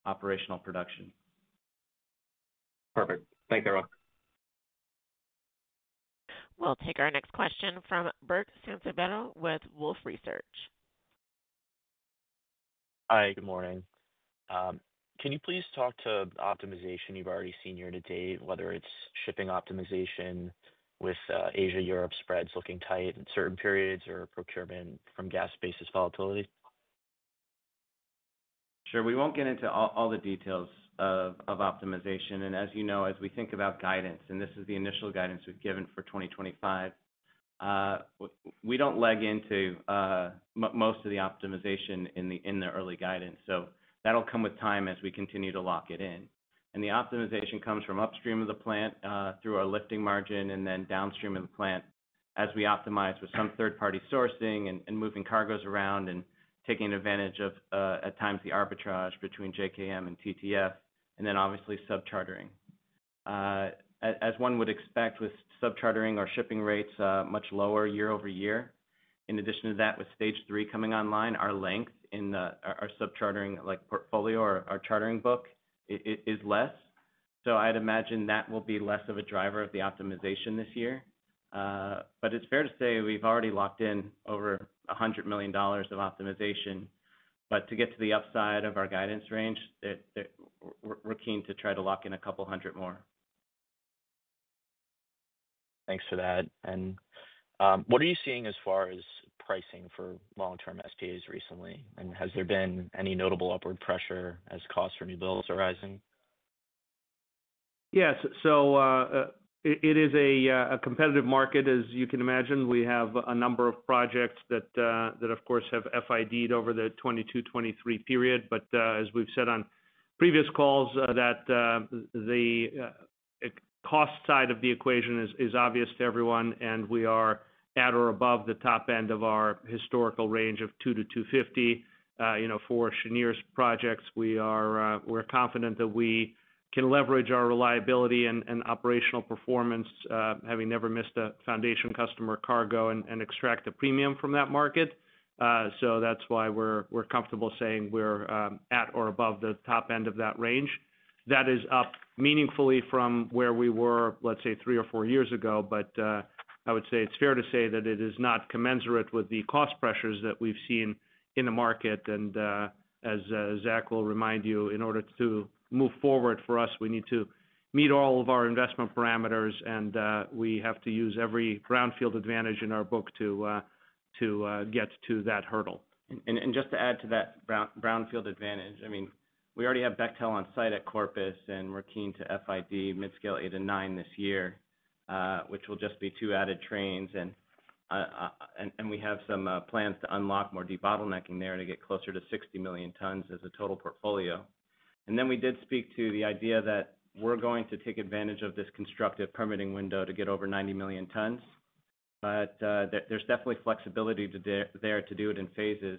operational production. Perfect. Thank you, everyone. We'll take our next question from Burke Sansiviero with Wolfe Research. Hi, good morning. Can you please talk about optimization you've already seen year to date, whether it's shipping optimization with Asia-Europe spreads looking tight in certain periods or procurement from gas basis volatility? Sure. We won't get into all the details of optimization. And as you know, as we think about guidance, and this is the initial guidance we've given for 2025, we don't leg into most of the optimization in the early guidance. So that'll come with time as we continue to lock it in. And the optimization comes from upstream of the plant through our lifting margin and then downstream of the plant as we optimize with some third-party sourcing and moving cargoes around and taking advantage of, at times, the arbitrage between JKM and TTF, and then obviously subchartering. As one would expect with subchartering, our shipping rates are much lower year over year. In addition to that, with Stage 3 coming online, our length in our subchartering portfolio or our chartering book is less. So I'd imagine that will be less of a driver of the optimization this year. It's fair to say we've already locked in over $100 million of optimization. To get to the upside of our guidance range, we're keen to try to lock in a couple hundred more. Thanks for that. And what are you seeing as far as pricing for long-term SPAs recently? And has there been any notable upward pressure as costs for new builds are rising? Yes. So it is a competitive market, as you can imagine. We have a number of projects that, of course, have FIDed over the 2022, 2023 period. But as we've said on previous calls, the cost side of the equation is obvious to everyone, and we are at or above the top end of our historical range of $2-$250. For Cheniere's projects, we're confident that we can leverage our reliability and operational performance, having never missed a foundation customer cargo, and extract a premium from that market. So that's why we're comfortable saying we're at or above the top end of that range. That is up meaningfully from where we were, let's say, three or four years ago. But I would say it's fair to say that it is not commensurate with the cost pressures that we've seen in the market. And as Zach will remind you, in order to move forward for us, we need to meet all of our investment parameters, and we have to use every brownfield advantage in our book to get to that hurdle. And just to add to that brownfield advantage, I mean, we already have Bechtel on site at Corpus, and we're keen to FID Midscale 8 and 9 this year, which will just be two added trains. And we have some plans to unlock more debottlenecking there to get closer to 60 million tons as a total portfolio. And then we did speak to the idea that we're going to take advantage of this constructive permitting window to get over 90 million tons. But there's definitely flexibility there to do it in phases.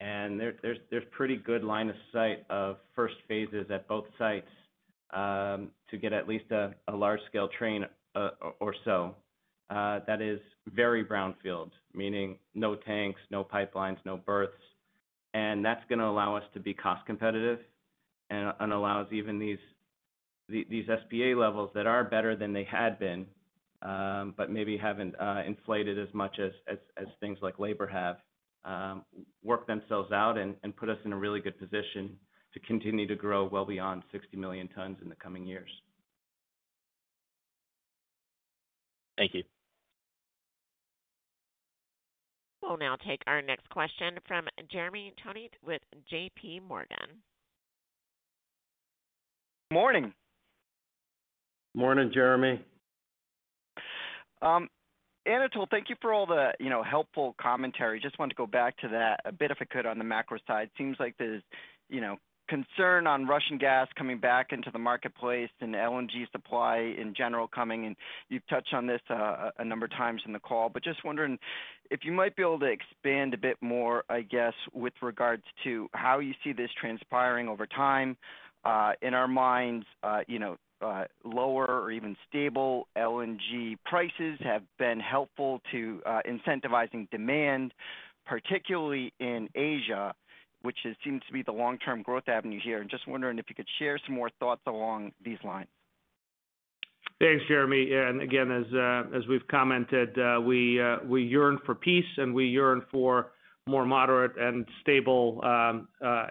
And there's pretty good line of sight of first phases at both sites to get at least a large-scale train or so. That is very brownfield, meaning no tanks, no pipelines, no berths. That's going to allow us to be cost competitive and allows even these SPA levels that are better than they had been, but maybe haven't inflated as much as things like labor have, work themselves out and put us in a really good position to continue to grow well beyond 60 million tons in the coming years. Thank you. We'll now take our next question from Jeremy Tonet with JPMorgan. Good morning. Morning, Jeremy. Anatol, thank you for all the helpful commentary. Just wanted to go back to that a bit if I could on the macro side. Seems like there's concern on Russian gas coming back into the marketplace and LNG supply in general coming. And you've touched on this a number of times in the call, but just wondering if you might be able to expand a bit more, I guess, with regards to how you see this transpiring over time. In our minds, lower or even stable LNG prices have been helpful to incentivizing demand, particularly in Asia, which seems to be the long-term growth avenue here. And just wondering if you could share some more thoughts along these lines. Thanks, Jeremy. And again, as we've commented, we yearn for peace, and we yearn for more moderate and stable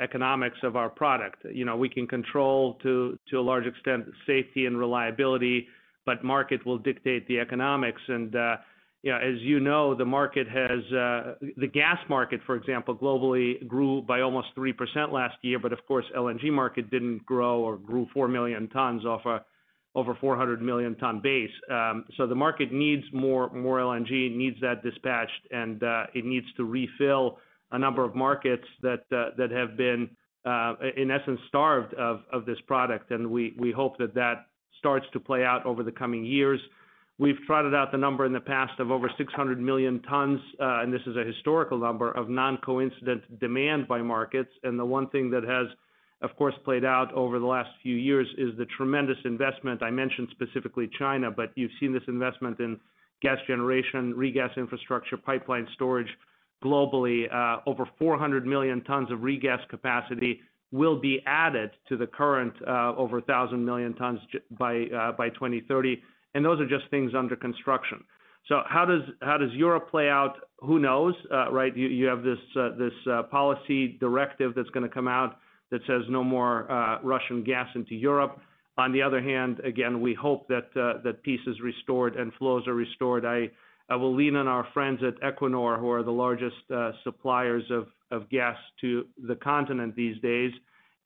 economics of our product. We can control to a large extent safety and reliability, but market will dictate the economics. And as you know, the gas market, for example, globally grew by almost 3% last year, but of course, LNG market didn't grow or grew 4 million tons off of over 400 million-ton base. So the market needs more LNG, needs that dispatched, and it needs to refill a number of markets that have been, in essence, starved of this product. And we hope that that starts to play out over the coming years. We've trotted out the number in the past of over 600 million tons, and this is a historical number of non-coincident demand by markets. And the one thing that has, of course, played out over the last few years is the tremendous investment. I mentioned specifically China, but you've seen this investment in gas generation, regas infrastructure, pipeline storage globally. Over 400 million tons of regas capacity will be added to the current over 1,000 million tons by 2030. And those are just things under construction. So how does Europe play out? Who knows, right? You have this policy directive that's going to come out that says no more Russian gas into Europe. On the other hand, again, we hope that peace is restored and flows are restored. I will lean on our friends at Equinor, who are the largest suppliers of gas to the continent these days,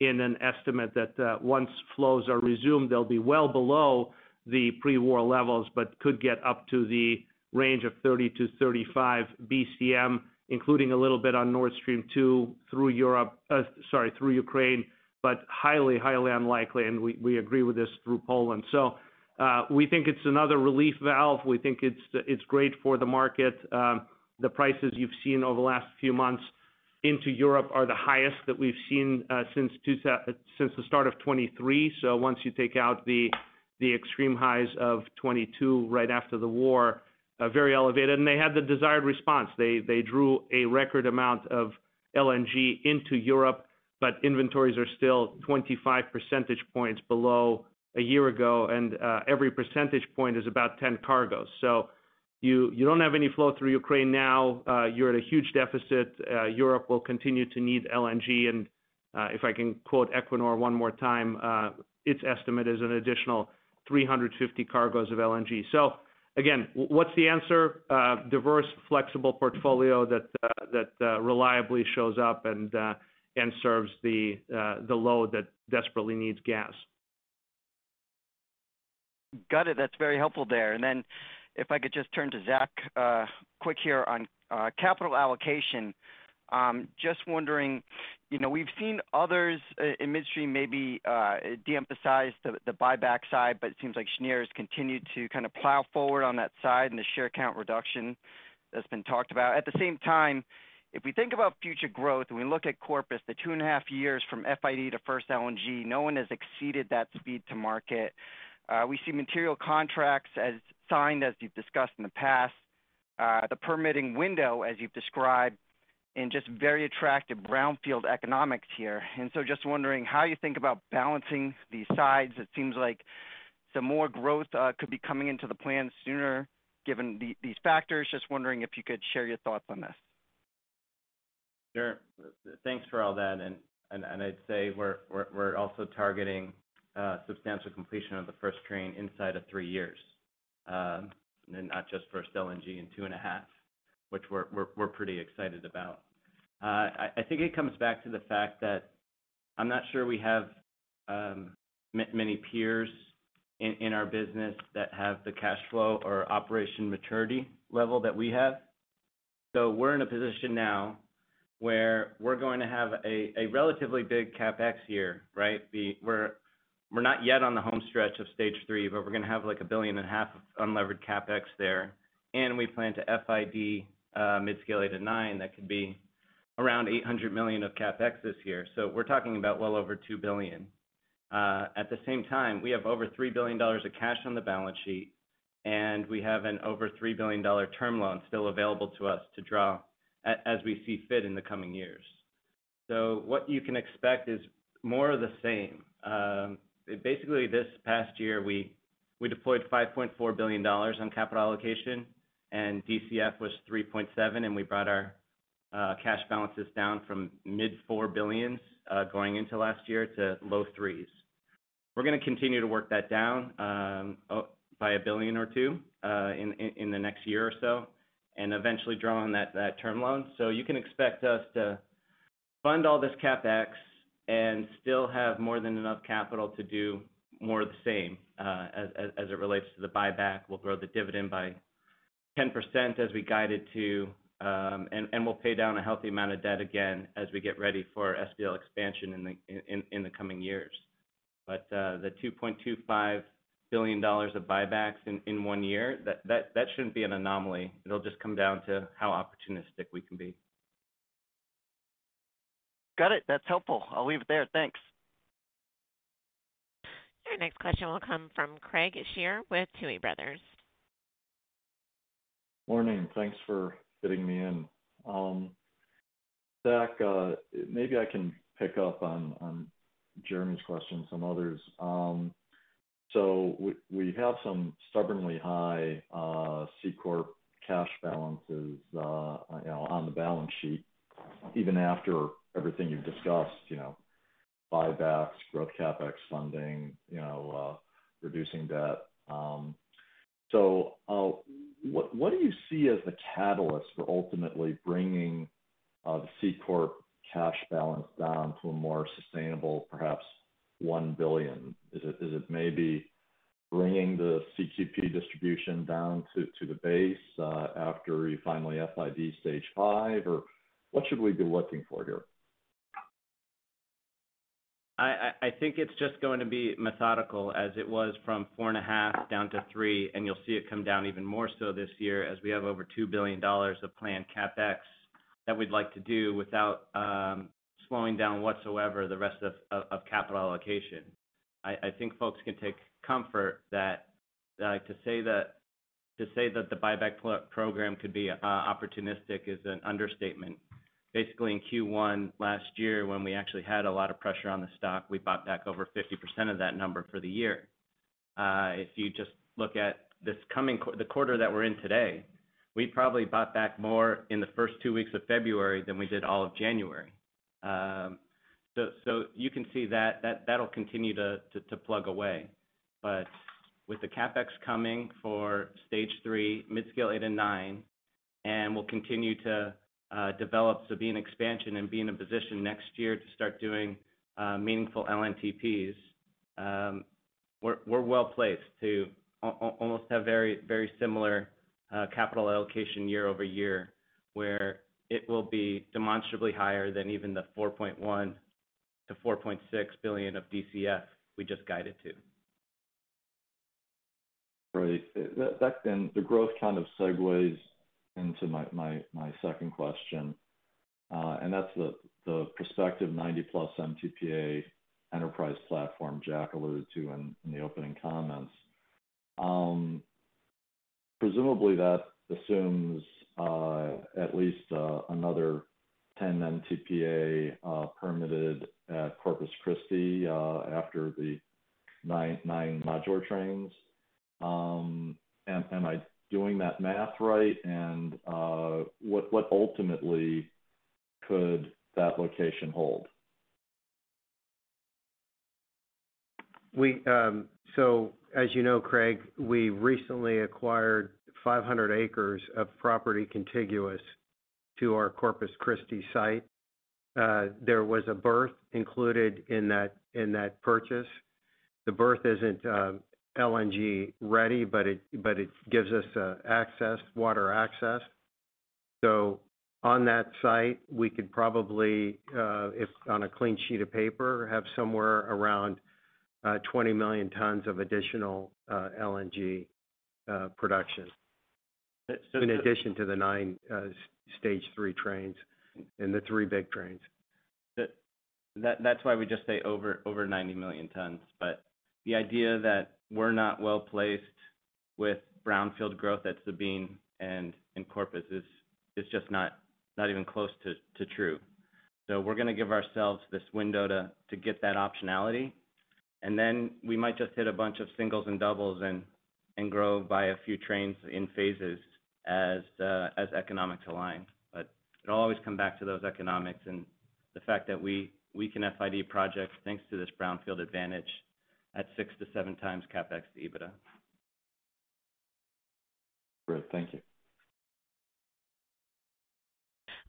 in an estimate that once flows are resumed, they'll be well below the pre-war levels, but could get up to the range of 30-35 BCM, including a little bit on Nord Stream 2 through Europe, sorry, through Ukraine, but highly, highly unlikely. And we agree with this through Poland. So we think it's another relief valve. We think it's great for the market. The prices you've seen over the last few months into Europe are the highest that we've seen since the start of 2023. So once you take out the extreme highs of 2022 right after the war, very elevated. And they had the desired response. They drew a record amount of LNG into Europe, but inventories are still 25 percentage points below a year ago, and every percentage point is about 10 cargoes. So you don't have any flow through Ukraine now. You're at a huge deficit. Europe will continue to need LNG. And if I can quote Equinor one more time, its estimate is an additional 350 cargoes of LNG. So again, what's the answer? Diverse, flexible portfolio that reliably shows up and serves the load that desperately needs gas. Got it. That's very helpful there, and then if I could just turn to Zach quick here on capital allocation, just wondering, we've seen others in midstream maybe de-emphasize the buyback side, but it seems like Cheniere has continued to kind of plow forward on that side and the share count reduction that's been talked about. At the same time, if we think about future growth and we look at Corpus, the two and a half years from FID to first LNG, no one has exceeded that speed to market. We see material contracts as signed, as you've discussed in the past, the permitting window, as you've described, and just very attractive brownfield economics here, and so just wondering how you think about balancing these sides. It seems like some more growth could be coming into the plan sooner given these factors. Just wondering if you could share your thoughts on this. Sure. Thanks for all that. I'd say we're also targeting substantial completion of the first train inside of three years, and not just first LNG in two and a half, which we're pretty excited about. I think it comes back to the fact that I'm not sure we have many peers in our business that have the cash flow or operation maturity level that we have. So we're in a position now where we're going to have a relatively big CapEx year, right? We're not yet on the home stretch of Stage 3, but we're going to have like $1.5 billion of unlevered CapEx there. And we plan to FID mid-scale 8 and 9. That could be around $800 million of CapEx this year. So we're talking about well over $2 billion. At the same time, we have over $3 billion of cash on the balance sheet, and we have an over $3 billion term loan still available to us to draw as we see fit in the coming years. So what you can expect is more of the same. Basically, this past year, we deployed $5.4 billion on capital allocation, and DCF was $3.7 billion, and we brought our cash balances down from mid-$4 billion going into last year to low $3 billion. We're going to continue to work that down by $1 billion or $2 billion in the next year or so and eventually draw on that term loan. So you can expect us to fund all this CapEx and still have more than enough capital to do more of the same as it relates to the buyback. We'll grow the dividend by 10% as we guide it to, and we'll pay down a healthy amount of debt again as we get ready for SPL Expansion in the coming years. But the $2.25 billion of buybacks in one year, that shouldn't be an anomaly. It'll just come down to how opportunistic we can be. Got it. That's helpful. I'll leave it there. Thanks. Your next question will come from Craig Shere with Tuohy Brothers. Morning. Thanks for fitting me in. Zach, maybe I can pick up on Jeremy's question and some others. So we have some stubbornly high C Corp cash balances on the balance sheet, even after everything you've discussed: buybacks, growth CapEx funding, reducing debt. So what do you see as the catalyst for ultimately bringing the C Corp cash balance down to a more sustainable, perhaps $1 billion? Is it maybe bringing the CQP distribution down to the base after you finally FID Stage 5? Or what should we be looking for here? I think it's just going to be methodical, as it was from four and a half down to three, and you'll see it come down even more so this year as we have over $2 billion of planned CapEx that we'd like to do without slowing down whatsoever the rest of capital allocation. I think folks can take comfort that to say that the buyback program could be opportunistic is an understatement. Basically, in Q1 last year, when we actually had a lot of pressure on the stock, we bought back over 50% of that number for the year. If you just look at the quarter that we're in today, we probably bought back more in the first two weeks of February than we did all of January, so you can see that that'll continue to plug away. But with the CapEx coming for Stage 3, mid-scale 8 and 9, and we'll continue to develop, Sabine Expansion and being in position next year to start doing meaningful LNTPs, we're well placed to almost have very similar capital allocation year over year where it will be demonstrably higher than even the 4.1-4.6 billion of DCF we just guided to. Right. That then the growth kind of segues into my second question. And that's the prospective 90-plus MTPA enterprise platform Jack alluded to in the opening comments. Presumably, that assumes at least another 10 MTPA permitted at Corpus Christi after the nine major trains. Am I doing that math right? And what ultimately could that location hold? As you know, Craig, we recently acquired 500 acres of property contiguous to our Corpus Christi site. There was a berth included in that purchase. The berth isn't LNG ready, but it gives us water access. On that site, we could probably, on a clean sheet of paper, have somewhere around 20 million tons of additional LNG production in addition to the nine Stage 3 trains and the three big trains. That's why we just say over 90 million tons. But the idea that we're not well placed with brownfield growth at Sabine and Corpus is just not even close to true. So we're going to give ourselves this window to get that optionality. And then we might just hit a bunch of singles and doubles and grow by a few trains in phases as economics align. But it'll always come back to those economics and the fact that we can FID projects thanks to this brownfield advantage at six-to-seven times CapEx EBITDA. Great. Thank you.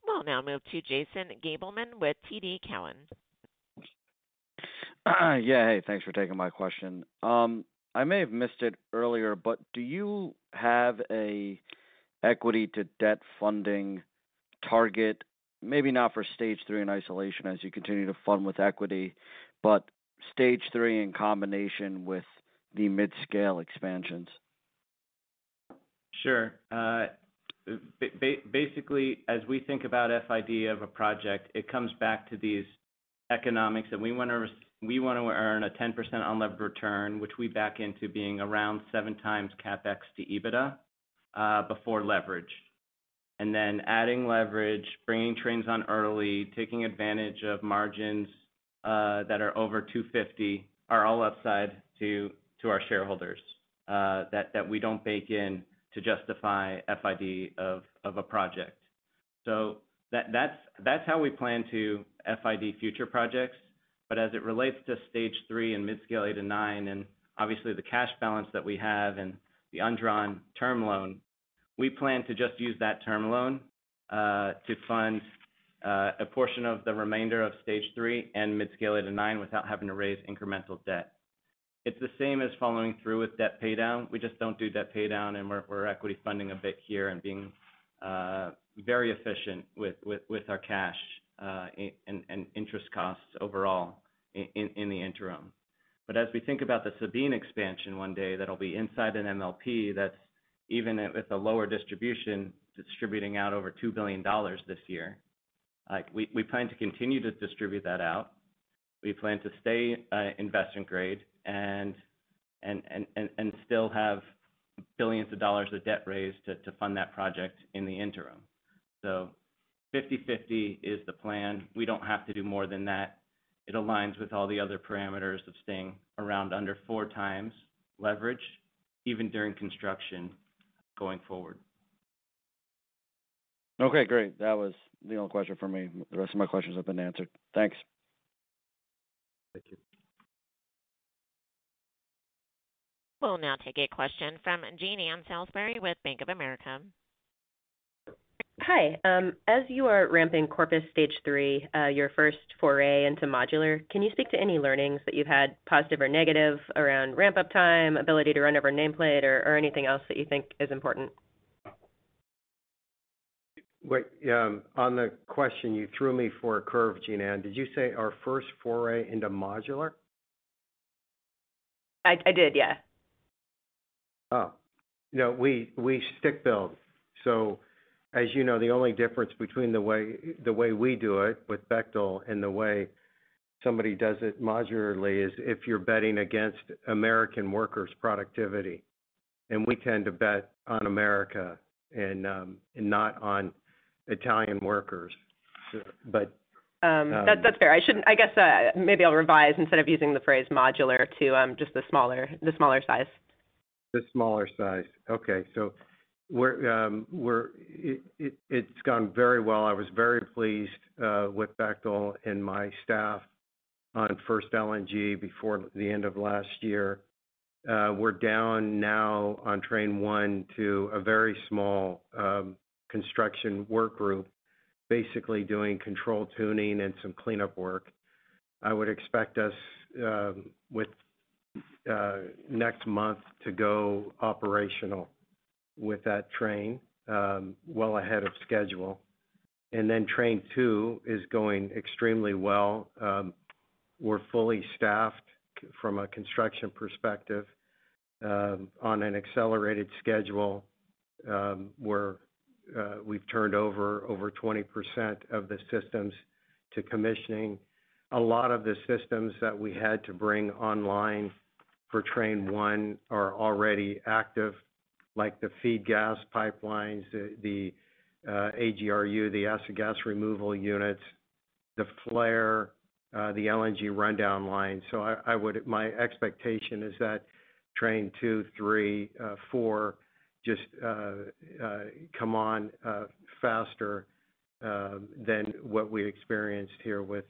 We'll now move to Jason Gabelman with TD Cowen. Yeah. Hey, thanks for taking my question. I may have missed it earlier, but do you have an equity-to-debt funding target, maybe not for Stage 3 in isolation as you continue to fund with equity, but Stage 3 in combination with the mid-scale expansions? Sure. Basically, as we think about FID of a project, it comes back to these economics that we want to earn a 10% unlevered return, which we back into being around seven times CapEx to EBITDA before leverage, and then adding leverage, bringing trains on early, taking advantage of margins that are over 250 are all upside to our shareholders that we don't bake in to justify FID of a project, so that's how we plan to FID future projects, but as it relates to Stage 3 and mid-scale 8 and 9 and obviously the cash balance that we have and the undrawn term loan, we plan to just use that term loan to fund a portion of the remainder of Stage 3 and mid-scale 8 and 9 without having to raise incremental debt. It's the same as following through with debt paydown. We just don't do debt paydown, and we're equity funding a bit here and being very efficient with our cash and interest costs overall in the interim. But as we think about the Sabine Pass Expansion one day that'll be inside an MLP that's even with a lower distribution distributing out over $2 billion this year, we plan to continue to distribute that out. We plan to stay investment-grade and still have billions of dollars of debt raised to fund that project in the interim. So 50/50 is the plan. We don't have to do more than that. It aligns with all the other parameters of staying around under four times leverage, even during construction going forward. Okay. Great. That was the only question for me. The rest of my questions have been answered. Thanks. Thank you. We'll now take a question from Jean Ann Salisbury with Bank of America. Hi. As you are ramping Corpus Christi Stage 3, your first foray into modular, can you speak to any learnings that you've had, positive or negative, around ramp-up time, ability to run over nameplate, or anything else that you think is important? On the question you threw me for a curve, Jean Ann, did you say our first foray into modular? I did, yeah. Oh. We stick build. So as you know, the only difference between the way we do it with Bechtel and the way somebody does it modularly is if you're betting against American workers' productivity, and we tend to bet on America and not on Italian workers. But. That's fair. I guess maybe I'll revise instead of using the phrase modular to just the smaller size. The smaller size. Okay. So it's gone very well. I was very pleased with Bechtel and my staff on first LNG before the end of last year. We're down now on Train 1 to a very small construction work group, basically doing control tuning and some cleanup work. I would expect us next month to go operational with that train well ahead of schedule. And then Train 2 is going extremely well. We're fully staffed from a construction perspective on an accelerated schedule. We've turned over 20% of the systems to commissioning. A lot of the systems that we had to bring online for Train 1 are already active, like the feed gas pipelines, the AGRU, the acid gas removal units, the flare, the LNG rundown line. So my expectation is that Train 2, 3, 4 just come on faster than what we experienced here with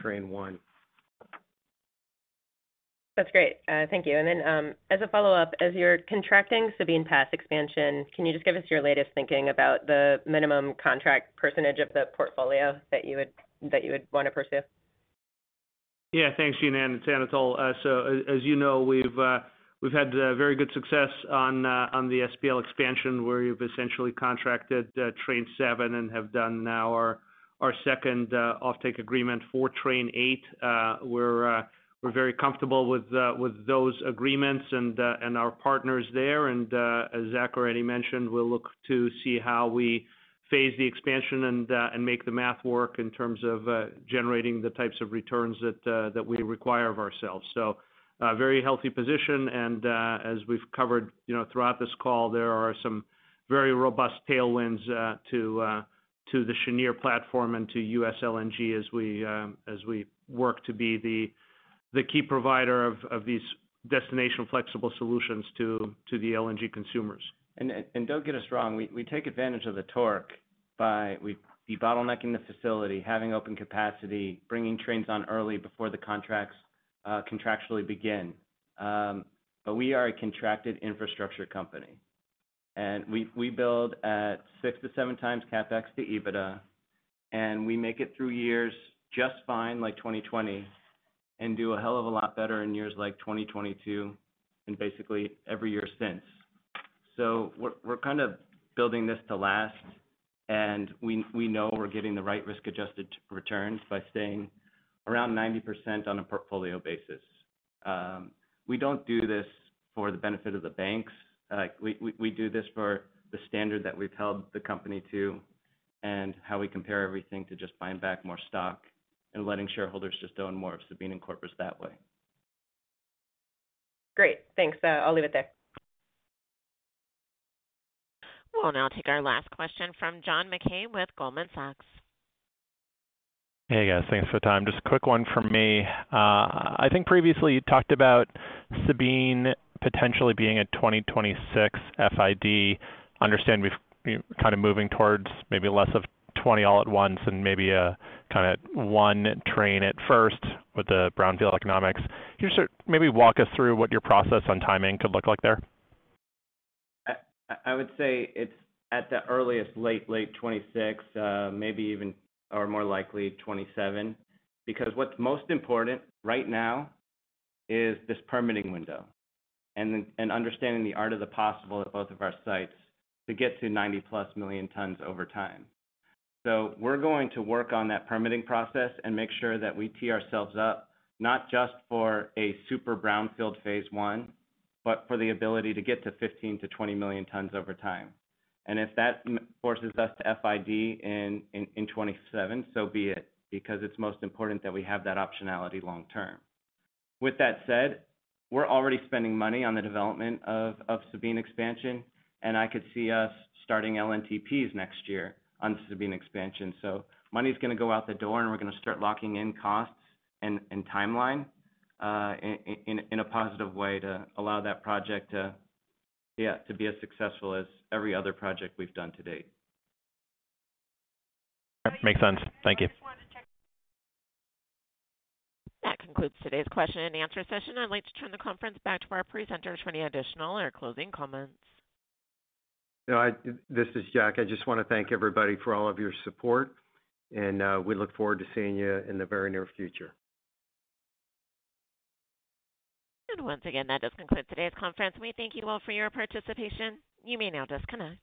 Train 1. That's great. Thank you. And then as a follow-up, as you're contracting Sabine Pass Expansion, can you just give us your latest thinking about the minimum contract percentage of the portfolio that you would want to pursue? Yeah. Thanks, Jean Ann and Anatol, so as you know, we've had very good success on the SPL Expansion where we've essentially contracted Train 7 and have done now our second offtake agreement for Train 8. We're very comfortable with those agreements and our partners there. And as Zach already mentioned, we'll look to see how we phase the expansion and make the math work in terms of generating the types of returns that we require of ourselves, so very healthy position, and as we've covered throughout this call, there are some very robust tailwinds to the Cheniere platform and to U.S. LNG as we work to be the key provider of these destination flexible solutions to the LNG consumers. Don't get us wrong. We take advantage of the torque by bottlenecking the facility, having open capacity, bringing trains on early before the contracts contractually begin. We are a contracted infrastructure company. We build at six to seven times CapEx to EBITDA. We make it through years just fine, like 2020, and do a hell of a lot better in years like 2022 and basically every year since. We're kind of building this to last. We know we're getting the right risk-adjusted returns by staying around 90% on a portfolio basis. We don't do this for the benefit of the banks. We do this for the standard that we've held the company to and how we compare everything to just buying back more stock and letting shareholders just own more of Sabine and Corpus that way. Great. Thanks. I'll leave it there. We'll now take our last question from John McKay with Goldman Sachs. Hey, guys. Thanks for the time. Just a quick one from me. I think previously you talked about Sabine potentially being a 2026 FID. Understand we're kind of moving towards maybe less of 20 all at once and maybe kind of one train at first with the brownfield economics. Can you maybe walk us through what your process on timing could look like there? I would say it's at the earliest late, late 2026, maybe even or more likely 2027. Because what's most important right now is this permitting window and understanding the art of the possible at both of our sites to get to 90+ million tons over time, so we're going to work on that permitting process and make sure that we tee ourselves up not just for a super brownfield phase one, but for the ability to get to 15-20 million tons over time. If that forces us to FID in 2027, so be it, because it's most important that we have that optionality long term. With that said, we're already spending money on the development of Sabine Expansion, and I could see us starting LNTPs next year on Sabine Expansion. So money's going to go out the door, and we're going to start locking in costs and timeline in a positive way to allow that project to be as successful as every other project we've done to date. Makes sense. Thank you. That concludes today's question and answer session. I'd like to turn the conference back to our presenters for any additional or closing comments. This is Jack. I just want to thank everybody for all of your support. We look forward to seeing you in the very near future. And once again, that does conclude today's conference. We thank you all for your participation. You may now disconnect.